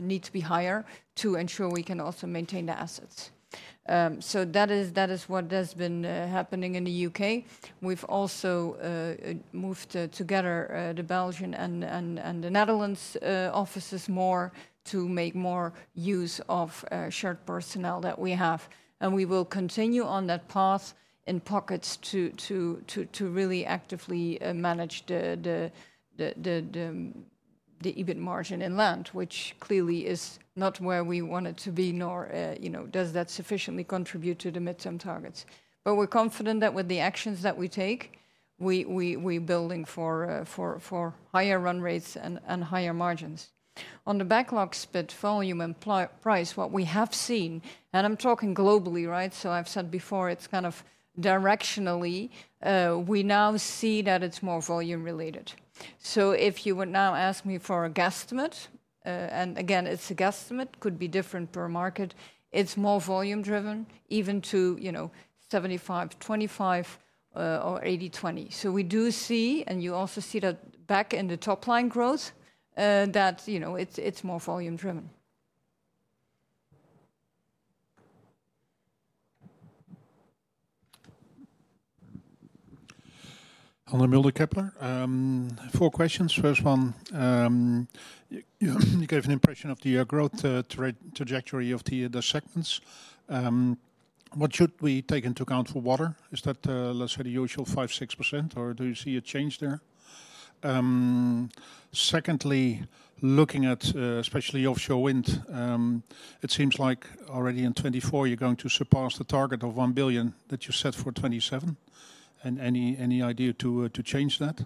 need to be higher to ensure we can also maintain the assets. So that is what has been happening in the U.K.. We've also moved together the Belgian and the Netherlands offices more to make more use of shared personnel that we have. We will continue on that path in pockets to really actively manage the EBIT margin in land, which clearly is not where we want it to be, nor, you know, does that sufficiently contribute to the midterm targets. But we're confident that with the actions that we take, we building for higher run rates and higher margins. On the backlogs bid volume and price, what we have seen, and I'm talking globally, right? So I've said before, it's kind of directionally, we now see that it's more volume related. So if you would now ask me for a guesstimate, and again, it's a guesstimate, could be different per market, it's more volume driven, even to, you know, 75/25 or 80/20. We do see, and you also see that back in the top line growth, that, you know, it's, it's more volume driven. André Mulder, Kepler. Four questions. First one, you gave an impression of the growth trajectory of the segments. What should we take into account for water? Is that, let's say, the usual 5%-6%, or do you see a change there? Secondly, looking at especially offshore wind, it seems like already in 2024 you're going to surpass the target of 1 billion that you set for 2027. And any idea to change that?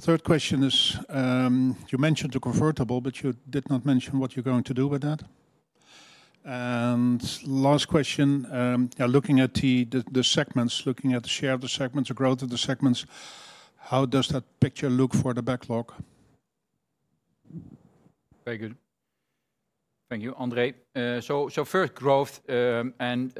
Third question is, you mentioned the convertible, but you did not mention what you're going to do with that. And last question, looking at the segments, looking at the share of the segments, the growth of the segments, how does that picture look for the backlog? Very good. Thank you, André. So first, growth, and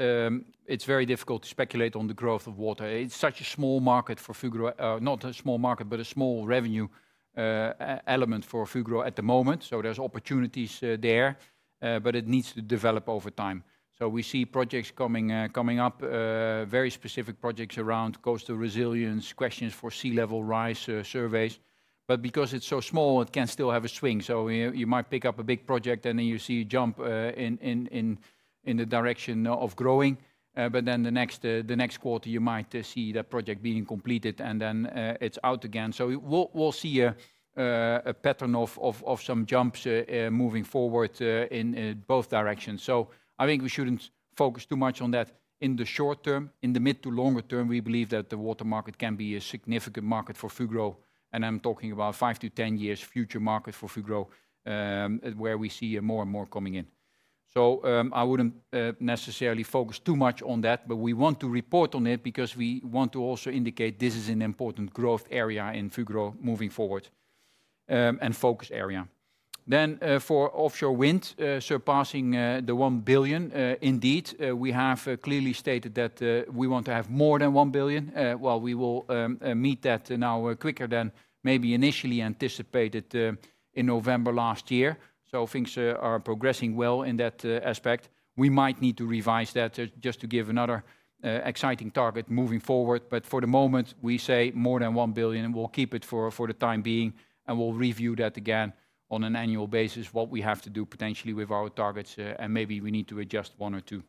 it's very difficult to speculate on the growth of water. It's such a small market for Fugro—not a small market, but a small revenue element for Fugro at the moment. So there's opportunities there, but it needs to develop over time. So we see projects coming up, very specific projects around coastal resilience, questions for sea level rise, surveys. But because it's so small, it can still have a swing. So you might pick up a big project, and then you see a jump in the direction of growing, but then the next quarter, you might see that project being completed, and then it's out again. So we'll see a pattern of some jumps moving forward in both directions. So I think we shouldn't focus too much on that in the short term. In the mid to longer term, we believe that the water market can be a significant market for Fugro, and I'm talking about 5-10 years future market for Fugro, where we see more and more coming in. So I wouldn't necessarily focus too much on that, but we want to report on it because we want to also indicate this is an important growth area in Fugro moving forward, and focus area. Then for offshore wind, surpassing 1 billion, indeed, we have clearly stated that we want to have more than 1 billion. While we will meet that now quicker than maybe initially anticipated, in November last year, so things are progressing well in that aspect. We might need to revise that just to give another exciting target moving forward. But for the moment, we say more than 1 billion, and we'll keep it for the time being, and we'll review that again on an annual basis, what we have to do potentially with our targets, and maybe we need to adjust one or two.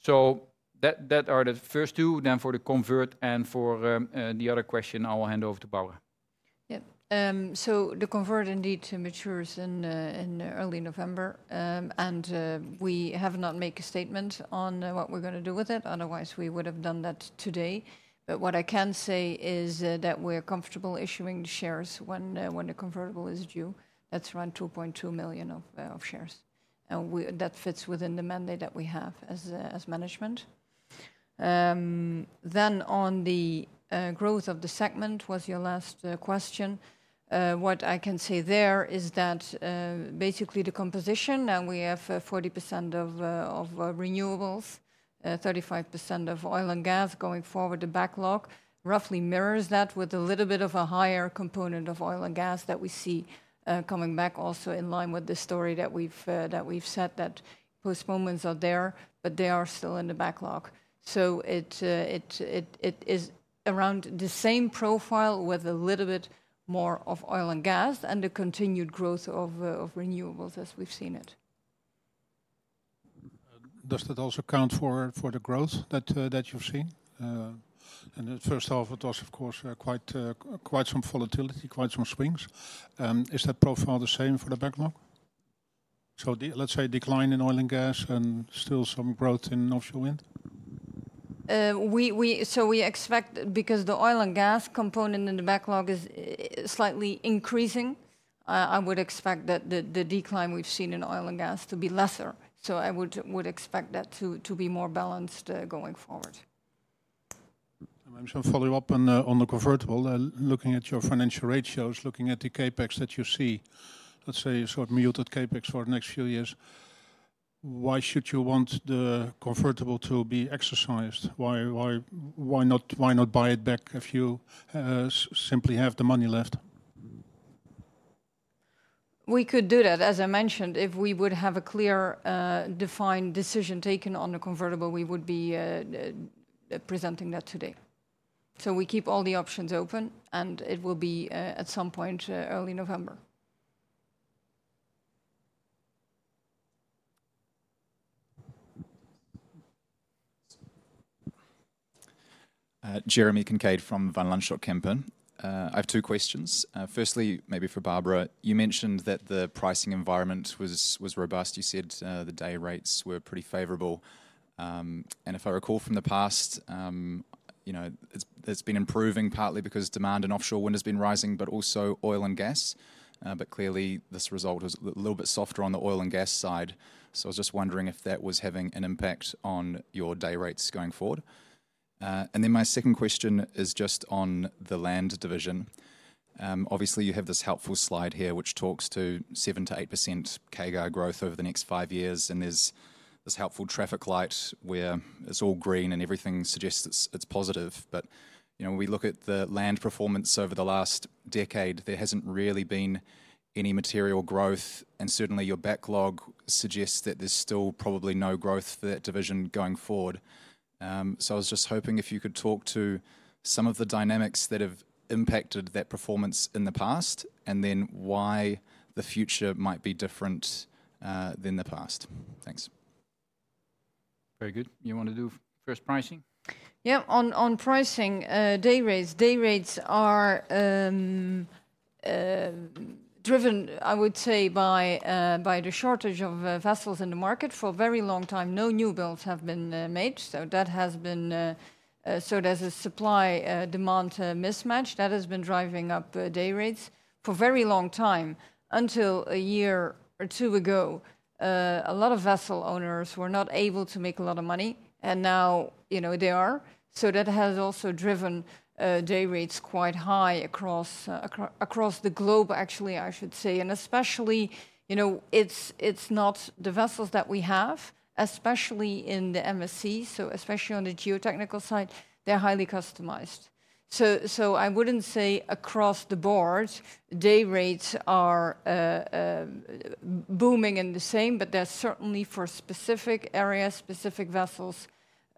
So that are the first two, then for the convert and for the other question, I will hand over to Barbara. Yeah. So the convert indeed matures in early November, and we have not make a statement on what we're gonna do with it, otherwise we would have done that today. But what I can say is that we're comfortable issuing the shares when the convertible is due. That's around 2.2 million of shares, and we. That fits within the mandate that we have as management. Then on the growth of the segment was your last question. What I can say there is that basically the composition, now we have 40% of renewables, 35% of oil and gas. Going forward, the backlog roughly mirrors that with a little bit of a higher component of oil and gas that we see coming back, also in line with the story that we've set, that postponements are there, but they are still in the backlog. So it is around the same profile, with a little bit more of oil and gas, and the continued growth of renewables as we've seen it. Does that also account for the growth that you've seen? In the first half it was, of course, quite some volatility, quite some swings. Is that profile the same for the backlog? So the, let's say, a decline in oil and gas and still some growth in offshore wind? So we expect because the oil and gas component in the backlog is slightly increasing, I would expect that the decline we've seen in oil and gas to be lesser. So I would expect that to be more balanced, going forward. So, follow up on the convertible. Looking at your financial ratios, looking at the CapEx that you see, let's say you sort of muted CapEx for the next few years, why should you want the convertible to be exercised? Why not buy it back if you simply have the money left? We could do that. As I mentioned, if we would have a clear, defined decision taken on the convertible, we would be presenting that today. So we keep all the options open, and it will be at some point early November. Jeremy Kincaid from Van Lanschot Kempen. I have two questions. Firstly, maybe for Barbara: You mentioned that the pricing environment was robust. You said the day rates were pretty favorable. And if I recall from the past, you know, it's been improving partly because demand in offshore wind has been rising, but also oil and gas. But clearly this result is a little bit softer on the oil and gas side. So I was just wondering if that was having an impact on your day rates going forward? And then my second question is just on the land division. Obviously, you have this helpful slide here, which talks to 7%-8% CAGR growth over the next five years, and there's this helpful traffic light where it's all green and everything suggests it's positive. You know, when we look at the land performance over the last decade, there hasn't really been any material growth, and certainly your backlog suggests that there's still probably no growth for that division going forward. I was just hoping if you could talk to some of the dynamics that have impacted that performance in the past, and then why the future might be different than the past. Thanks. Very good. You want to do first pricing? Yeah. On pricing, day rates. Day rates are driven, I would say, by the shortage of vessels in the market. For a very long time, no new builds have been made, so that has been... So there's a supply demand mismatch that has been driving up day rates for a very long time. Until a year or two ago, a lot of vessel owners were not able to make a lot of money, and now, you know, they are. So that has also driven day rates quite high across across the globe, actually, I should say. And especially, you know, it's not the vessels that we have, especially in the MSC, so especially on the geotechnical side, they're highly customized. So, I wouldn't say across the board, day rates are booming in the same, but they're certainly for specific areas, specific vessels,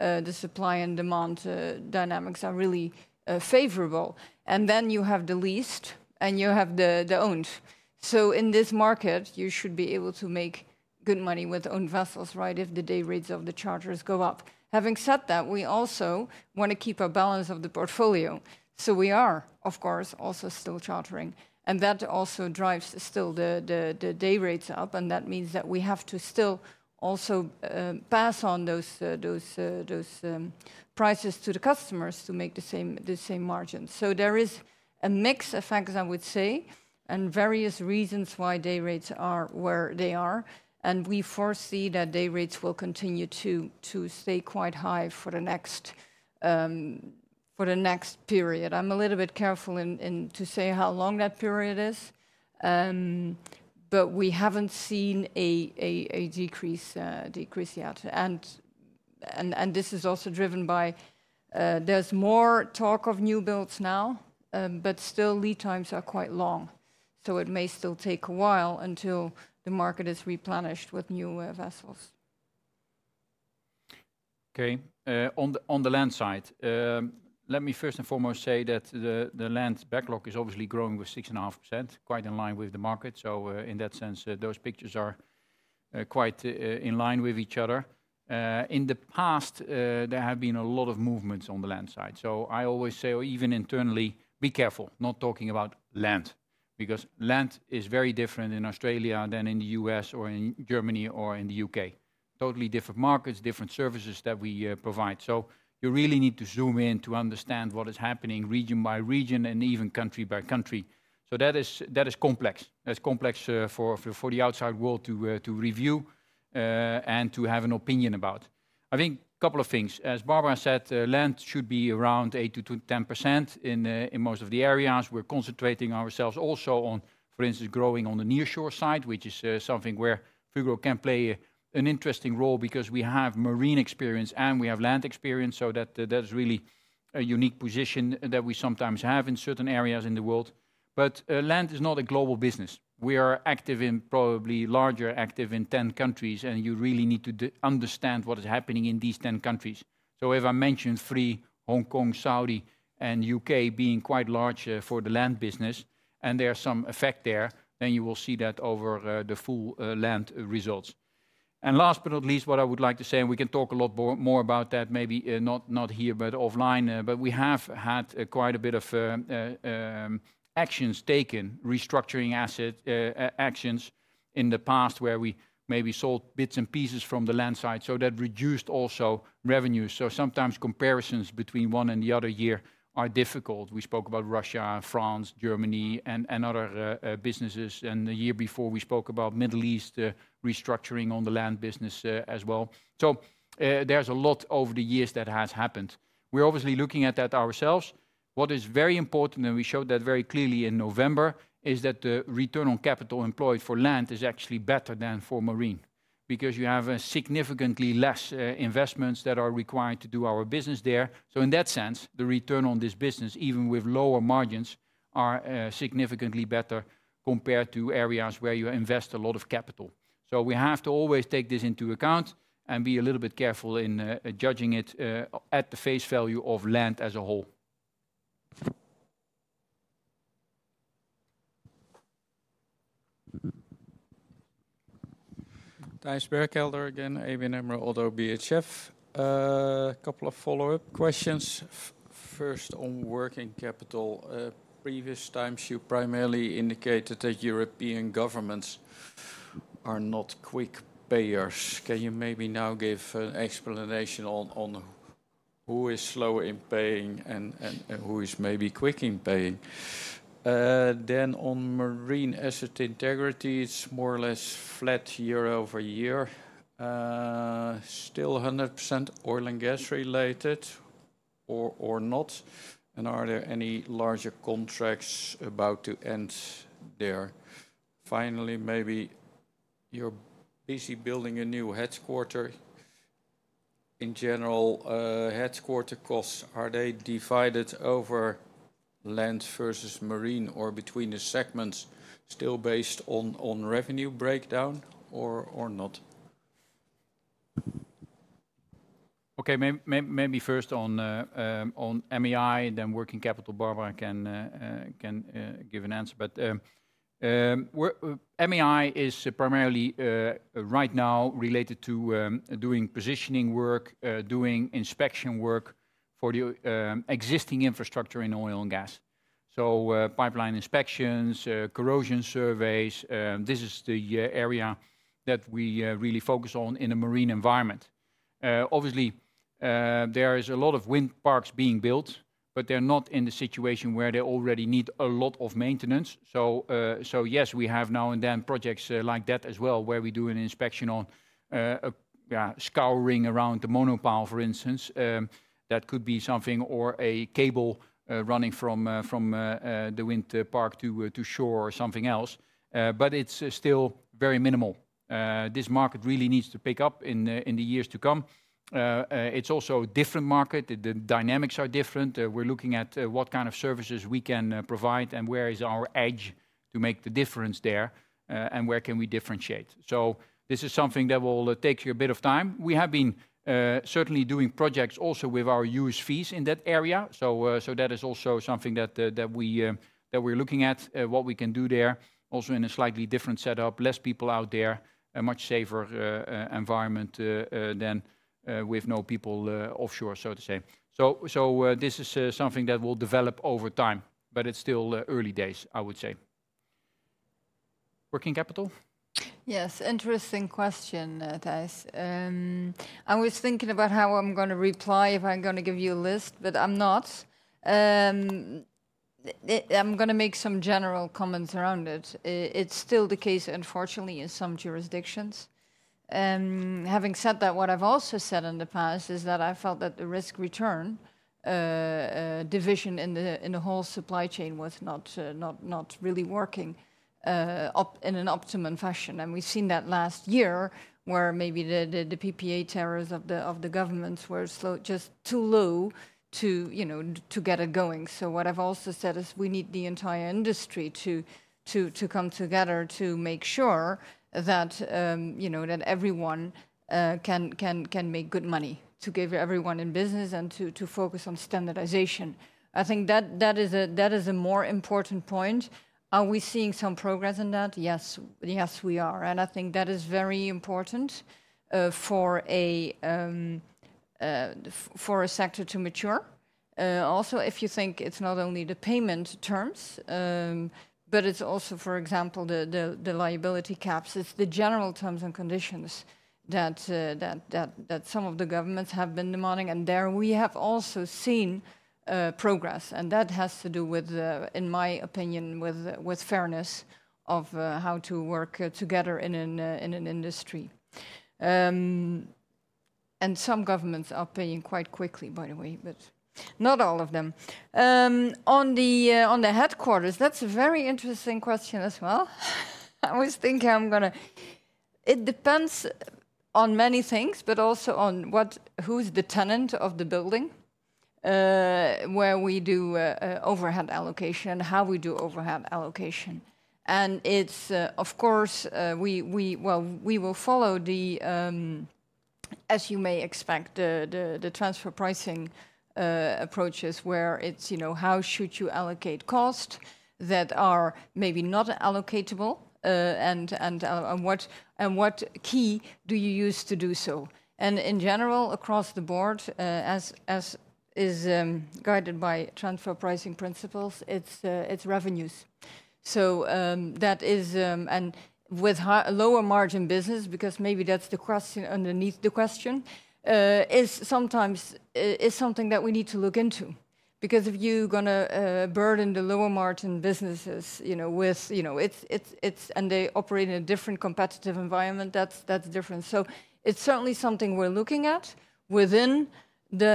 the supply and demand dynamics are really favorable. And then you have the leased and you have the owned. So in this market, you should be able to make good money with owned vessels, right? If the day rates of the charters go up. Having said that, we also want to keep a balance of the portfolio. So we are, of course, also still chartering, and that also drives still the day rates up, and that means that we have to still also pass on those prices to the customers to make the same, the same margin. So there is a mix of factors, I would say, and various reasons why day rates are where they are, and we foresee that day rates will continue to stay quite high for the next period. I'm a little bit careful to say how long that period is, but we haven't seen a decrease yet. And this is also driven by. There's more talk of new builds now, but still lead times are quite long, so it may still take a while until the market is replenished with newer vessels. Okay. On the, on the land side, let me first and foremost say that the, the land backlog is obviously growing with 6.5%, quite in line with the market. So, in that sense, those pictures are, quite, in line with each other. In the past, there have been a lot of movements on the land side. So I always say, or even internally, "Be careful not talking about land, because land is very different in Australia than in the U.S., or in Germany, or in the U.K.." Totally different markets, different services that we, provide. So you really need to zoom in to understand what is happening region by region, and even country by country. So that is, that is complex. That's complex, for the outside world to review, and to have an opinion about. I think a couple of things. As Barbara said, land should be around 8%-10% in most of the areas. We're concentrating ourselves also on, for instance, growing on the nearshore side, which is something where Fugro can play an interesting role because we have marine experience and we have land experience, so that is really a unique position that we sometimes have in certain areas in the world. But land is not a global business. We are active in probably larger, active in 10 countries, and you really need to understand what is happening in these 10 countries. So if I mention three, Hong Kong, Saudi, and U.K. being quite large, for the land business, and there are some effect there, then you will see that over, the full, land results. And last but not least, what I would like to say, and we can talk a lot more about that, maybe, not here, but offline. But we have had quite a bit of actions taken, restructuring asset actions in the past, where we maybe sold bits and pieces from the land side, so that reduced also revenues. So sometimes comparisons between one and the other year are difficult. We spoke about Russia, France, Germany, and other businesses, and the year before, we spoke about Middle East restructuring on the land business, as well. So, there's a lot over the years that has happened. We're obviously looking at that ourselves. What is very important, and we showed that very clearly in November, is that the return on capital employed for land is actually better than for marine, because you have, significantly less, investments that are required to do our business there. So in that sense, the return on this business, even with lower margins, are, significantly better compared to areas where you invest a lot of capital. So we have to always take this into account and be a little bit careful in, judging it, at the face value of land as a whole. Thijs Berkelder again, ABN AMRO ODDO BHF. Couple of follow-up questions. First, on working capital, previous times, you primarily indicated that European governments are not quick payers. Can you maybe now give an explanation on who is slow in paying and who is maybe quick in paying? Then on Marine Asset Integrity, it's more or less flat year-over-year. Still 100% oil and gas related or not? And are there any larger contracts about to end there? Finally, maybe you're busy building a new headquarters. In general, headquarters costs, are they divided over land versus marine or between the segments still based on revenue breakdown or not? Okay, maybe first on MAI, then working capital, Barbara can give an answer. But MAI is primarily right now related to doing positioning work, doing inspection work for the existing infrastructure in oil and gas. So, pipeline inspections, corrosion surveys, this is the area that we really focus on in a marine environment. Obviously, there is a lot of wind parks being built, but they're not in the situation where they already need a lot of maintenance. So, yes, we have now and then projects like that as well, where we do an inspection on, yeah, scouring around the monopile, for instance. That could be something or a cable running from the wind park to shore or something else. But it's still very minimal. This market really needs to pick up in the years to come. It's also a different market. The dynamics are different. We're looking at what kind of services we can provide and where is our edge to make the difference there, and where can we differentiate? So this is something that will take a bit of time. We have been certainly doing projects also with our USVs in that area. So that is also something that we're looking at, what we can do there. Also in a slightly different setup, less people out there, a much safer environment than with no people offshore, so to say. So, this is something that will develop over time, but it's still early days, I would say. Working capital? Yes, interesting question, Thijs. I was thinking about how I'm going to reply, if I'm going to give you a list, but I'm not. I'm going to make some general comments around it. It's still the case, unfortunately, in some jurisdictions. Having said that, what I've also said in the past is that I felt that the risk-return division in the whole supply chain was not really working in an optimum fashion. And we've seen that last year, where maybe the PPA tariffs of the governments were slow, just too low to, you know, to get it going. So what I've also said is we need the entire industry to come together to make sure that, you know, that everyone can make good money, to give everyone in business and to focus on standardization. I think that is a more important point. Are we seeing some progress in that? Yes. Yes, we are, and I think that is very important for a sector to mature. Also, if you think it's not only the payment terms, but it's also, for example, the liability caps. It's the general terms and conditions that some of the governments have been demanding, and there we have also seen progress, and that has to do with, in my opinion, with fairness of how to work together in an industry. And some governments are paying quite quickly, by the way, but not all of them. On the headquarters, that's a very interesting question as well. It depends on many things, but also on what, who's the tenant of the building, where we do overhead allocation, how we do overhead allocation. And it's, of course, we will follow the, as you may expect, the transfer pricing approaches where it's, you know, how should you allocate cost that are maybe not allocatable, and what key do you use to do so? And in general, across the board, as is guided by transfer pricing principles, it's revenues. So, that is. And with lower margin business, because maybe that's the question underneath the question, is something that we need to look into. Because if you're gonna burden the lower margin businesses, you know, with, you know, it's and they operate in a different competitive environment, that's different. So it's certainly something we're looking at within the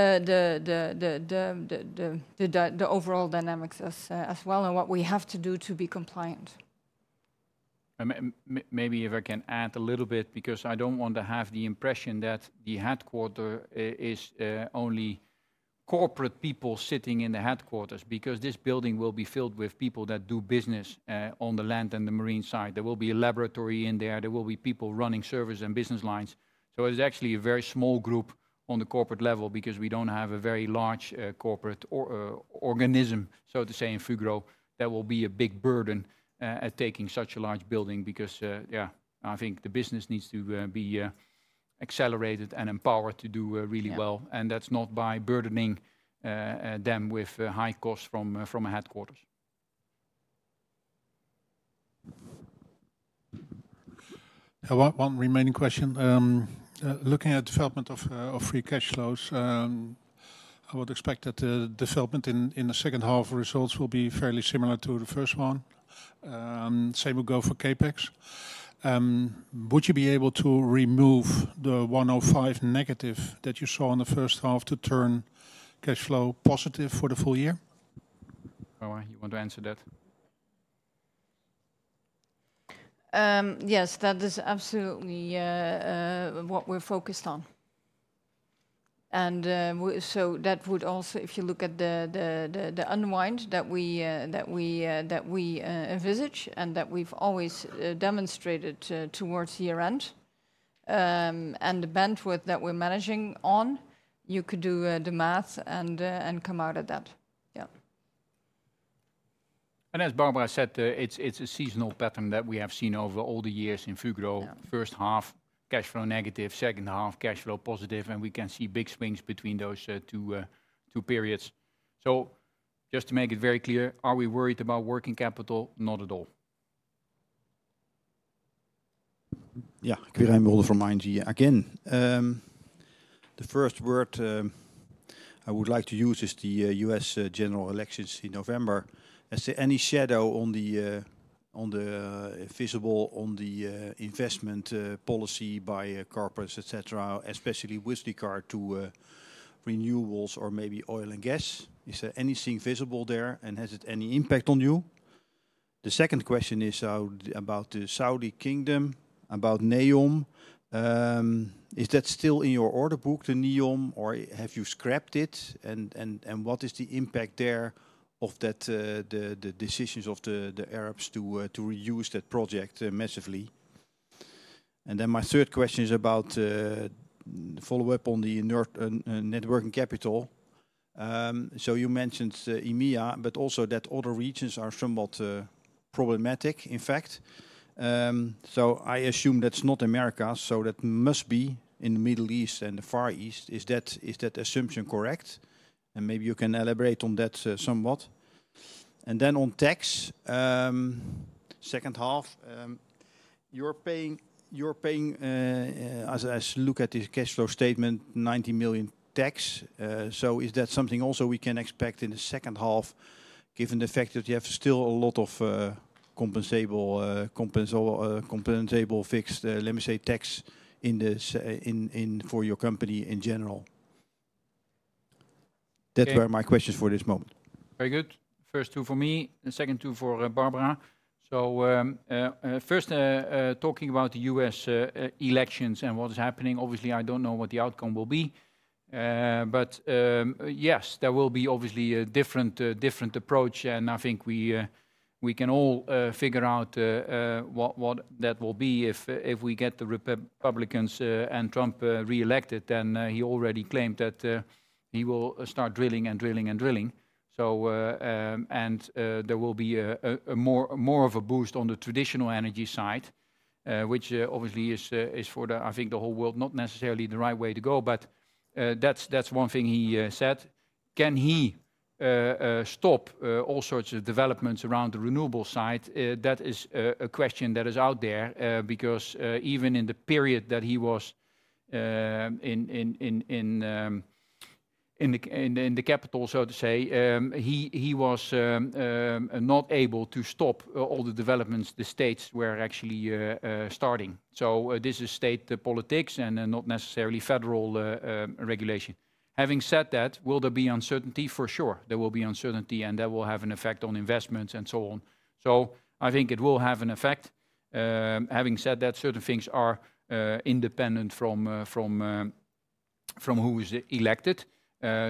overall dynamics as well, and what we have to do to be compliant. Maybe if I can add a little bit, because I don't want to have the impression that the headquarters is only corporate people sitting in the headquarters, because this building will be filled with people that do business on the land and the marine side. There will be a laboratory in there. There will be people running service and business lines. So it's actually a very small group on the corporate level because we don't have a very large corporate organization, so to say, in Fugro, that will be a big burden at taking such a large building because, yeah, I think the business needs to be accelerated and empowered to do really well. Yeah. That's not by burdening them with high costs from a headquarters. One remaining question. Looking at development of free cash flows, I would expect that the development in the second half results will be fairly similar to the first one. Same will go for CapEx. Would you be able to remove the -105 that you saw in the first half to turn cash flow positive for the full year? Oh, you want to answer that? Yes, that is absolutely what we're focused on. So that would also. If you look at the unwind that we envisage and that we've always demonstrated towards year-end, and the bandwidth that we're managing on, you could do the math and come out at that. Yeah. As Barbara said, it's a seasonal pattern that we have seen over all the years in Fugro. Yeah. First half, cash flow negative, second half, cash flow positive, and we can see big swings between those two periods. So just to make it very clear, are we worried about working capital? Not at all. Yeah, Quirijn Mulder from ING again. The first word I would like to use is the U.S. general elections in November. Is there any shadow on the visible on the investment policy by corporates, et cetera, especially with regard to renewables or maybe oil and gas? Is there anything visible there, and has it any impact on you? The second question is out, about the Saudi kingdom, about NEOM. Is that still in your order book, the NEOM, or have you scrapped it? And what is the impact there of that, the decisions of the Arabs to reuse that project massively? And then my third question is about the follow-up on the net working capital. So you mentioned EMEA, but also that other regions are somewhat problematic, in fact. So I assume that's not America, so that must be in the Middle East and the Far East. Is that assumption correct? And maybe you can elaborate on that somewhat. And then on tax, second half, you're paying, you're paying, as I look at the cash flow statement, 90 million tax. So is that something also we can expect in the second half, given the fact that you have still a lot of compensable fixed, let me say, tax in this for your company in general? Okay. That were my questions for this moment. Very good. First two for me, and second two for Barbara. So, first, talking about the U.S. elections and what is happening, obviously, I don't know what the outcome will be. But, yes, there will be obviously a different, different approach, and I think we, we can all, figure out, what, what that will be if, if we get the Republicans, and Trump, reelected, then, he already claimed that, he will start drilling and drilling and drilling. So, and, there will be a, a more, more of a boost on the traditional energy side, which, obviously is, is for the, I think, the whole world, not necessarily the right way to go, but, that's, that's one thing he, said. Can he stop all sorts of developments around the renewable side? That is a question that is out there, because even in the period that he was in the capital, so to say, he was not able to stop all the developments the states were actually starting. So this is state politics and not necessarily federal regulation. Having said that, will there be uncertainty? For sure, there will be uncertainty, and that will have an effect on investments and so on. So I think it will have an effect. Having said that, certain things are independent from who is elected.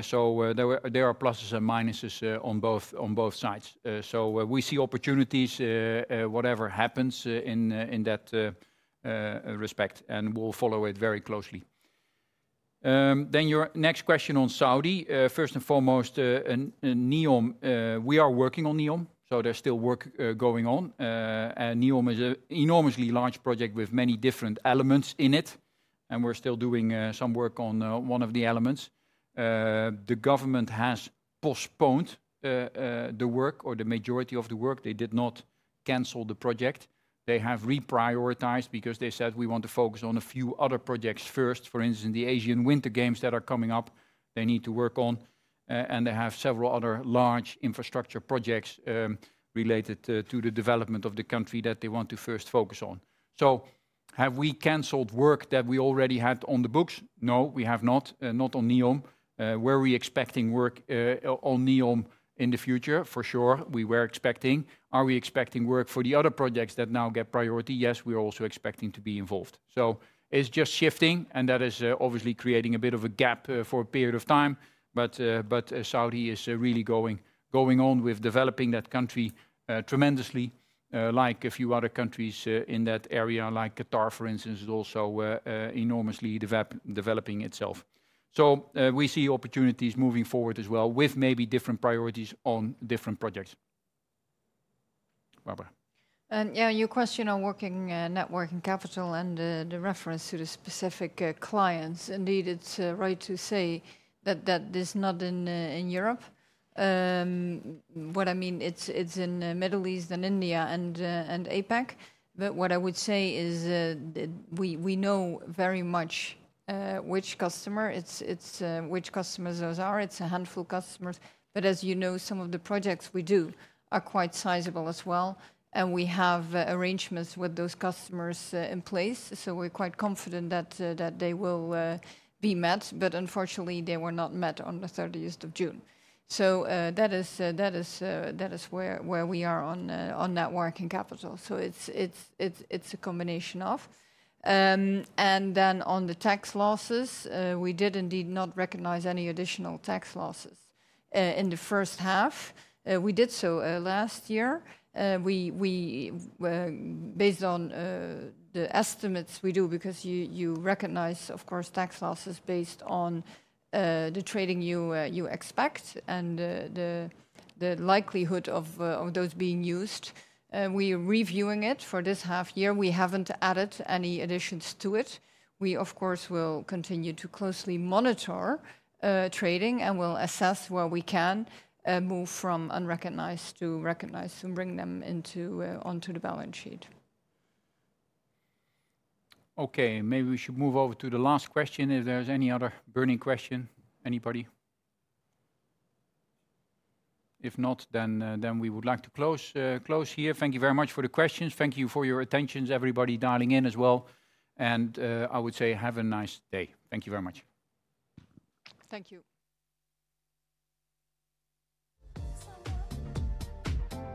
So, there are pluses and minuses on both sides. So, we see opportunities, whatever happens, in that respect, and we'll follow it very closely. Then your next question on Saudi. First and foremost, in NEOM, we are working on NEOM, so there's still work going on. And NEOM is an enormously large project with many different elements in it, and we're still doing some work on one of the elements. The government has postponed the work or the majority of the work. They did not cancel the project. They have reprioritized because they said, "We want to focus on a few other projects first." For instance, the Asian Winter Games that are coming up, they need to work on, and they have several other large infrastructure projects, related to the development of the country that they want to first focus on. So have we canceled work that we already had on the books? No, we have not, not on NEOM. Were we expecting work on NEOM in the future? For sure, we were expecting. Are we expecting work for the other projects that now get priority? Yes, we are also expecting to be involved. So it's just shifting, and that is obviously creating a bit of a gap for a period of time, but but Saudi is really going, going on with developing that country tremendously, like a few other countries in that area, like Qatar, for instance, is also enormously developing itself. So we see opportunities moving forward as well, with maybe different priorities on different projects. Barbara? Yeah, your question on working net working capital and the reference to the specific clients. Indeed, it's right to say that that is not in Europe. What I mean, it's in Middle East and India and APAC, but what I would say is we know very much which customers those are. It's a handful customers, but as you know, some of the projects we do are quite sizable as well, and we have arrangements with those customers in place, so we're quite confident that they will be met, but unfortunately, they were not met on the thirtieth of June. So, that is where we are on net working capital. So it's a combination of. And then on the tax losses, we did indeed not recognize any additional tax losses in the first half. We did so last year. We based on the estimates we do because you recognize, of course, tax losses based on the trading you expect and the likelihood of those being used. We are reviewing it for this half year. We haven't added any additions to it. We, of course, will continue to closely monitor trading, and we'll assess where we can move from unrecognized to recognized and bring them into onto the balance sheet. Okay, maybe we should move over to the last question, if there's any other burning question. Anybody? If not, then we would like to close here. Thank you very much for the questions. Thank you for your attentions, everybody dialing in as well, and I would say have a nice day. Thank you very much. Thank you.